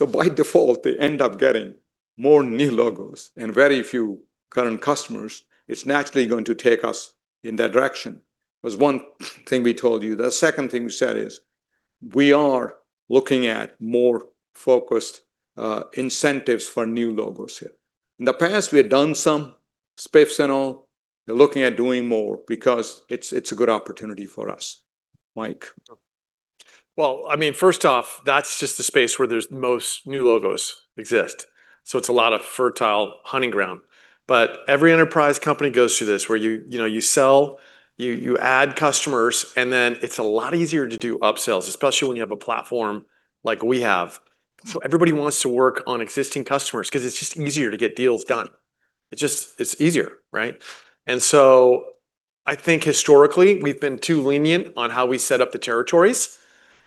By default, they end up getting more new logos and very few current customers. It's naturally going to take us in that direction, was one thing we told you. The second thing we said is we are looking at more focused incentives for new logos here. In the past, we had done some spiffs and all. We're looking at doing more because it's a good opportunity for us. Mike. Well, first off, that's just the space where there's most new logos exist. It's a lot of fertile hunting ground. Every enterprise company goes through this where you sell, you add customers, and then it's a lot easier to do upsells, especially when you have a platform like we have. Everybody wants to work on existing customers because it's just easier to get deals done. It's easier, right. I think historically, we've been too lenient on how we set up the territories,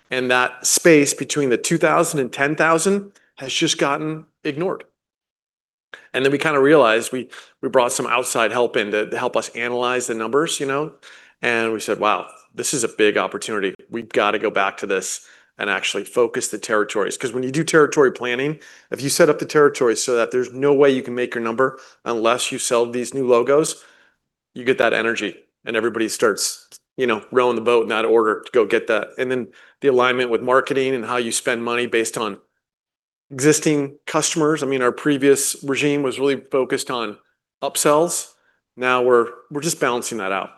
and that space between the 2,000 and 10,000 has just gotten ignored. We realized, we brought some outside help in to help us analyze the numbers. We said, "Wow, this is a big opportunity. We've got to go back to this and actually focus the territories. When you do territory planning, if you set up the territories so that there's no way you can make your number unless you sell these new logos, you get that energy, and everybody starts rowing the boat in that order to go get that. The alignment with marketing and how you spend money based on existing customers. Our previous regime was really focused on upsales. Now we're just balancing that out.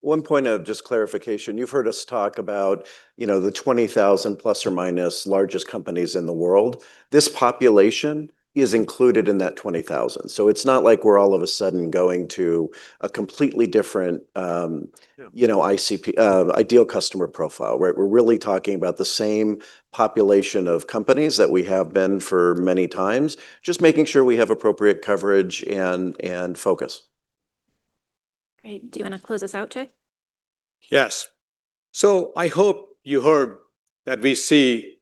One point of just clarification. You've heard us talk about the 20,000 plus or minus largest companies in the world. This population is included in that 20,000. It's not like we're all of a sudden going to a completely different- Yeah. ideal customer profile. We're really talking about the same population of companies that we have been for many times. Just making sure we have appropriate coverage and focus. Great. Do you want to close us out, Jay? Yes. I hope you heard that we see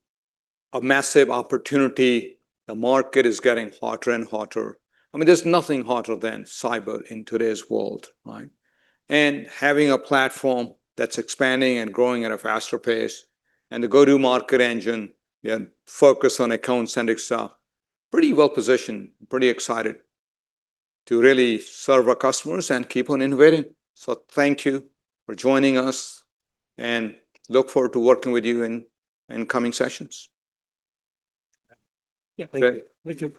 a massive opportunity. The market is getting hotter and hotter. There's nothing hotter than cyber in today's world. Having a platform that's expanding and growing at a faster pace and the go-to-market engine and focus on account-centric stuff, pretty well-positioned, pretty excited to really serve our customers and keep on innovating. Thank you for joining us and look forward to working with you in coming sessions. Yeah. Thank you.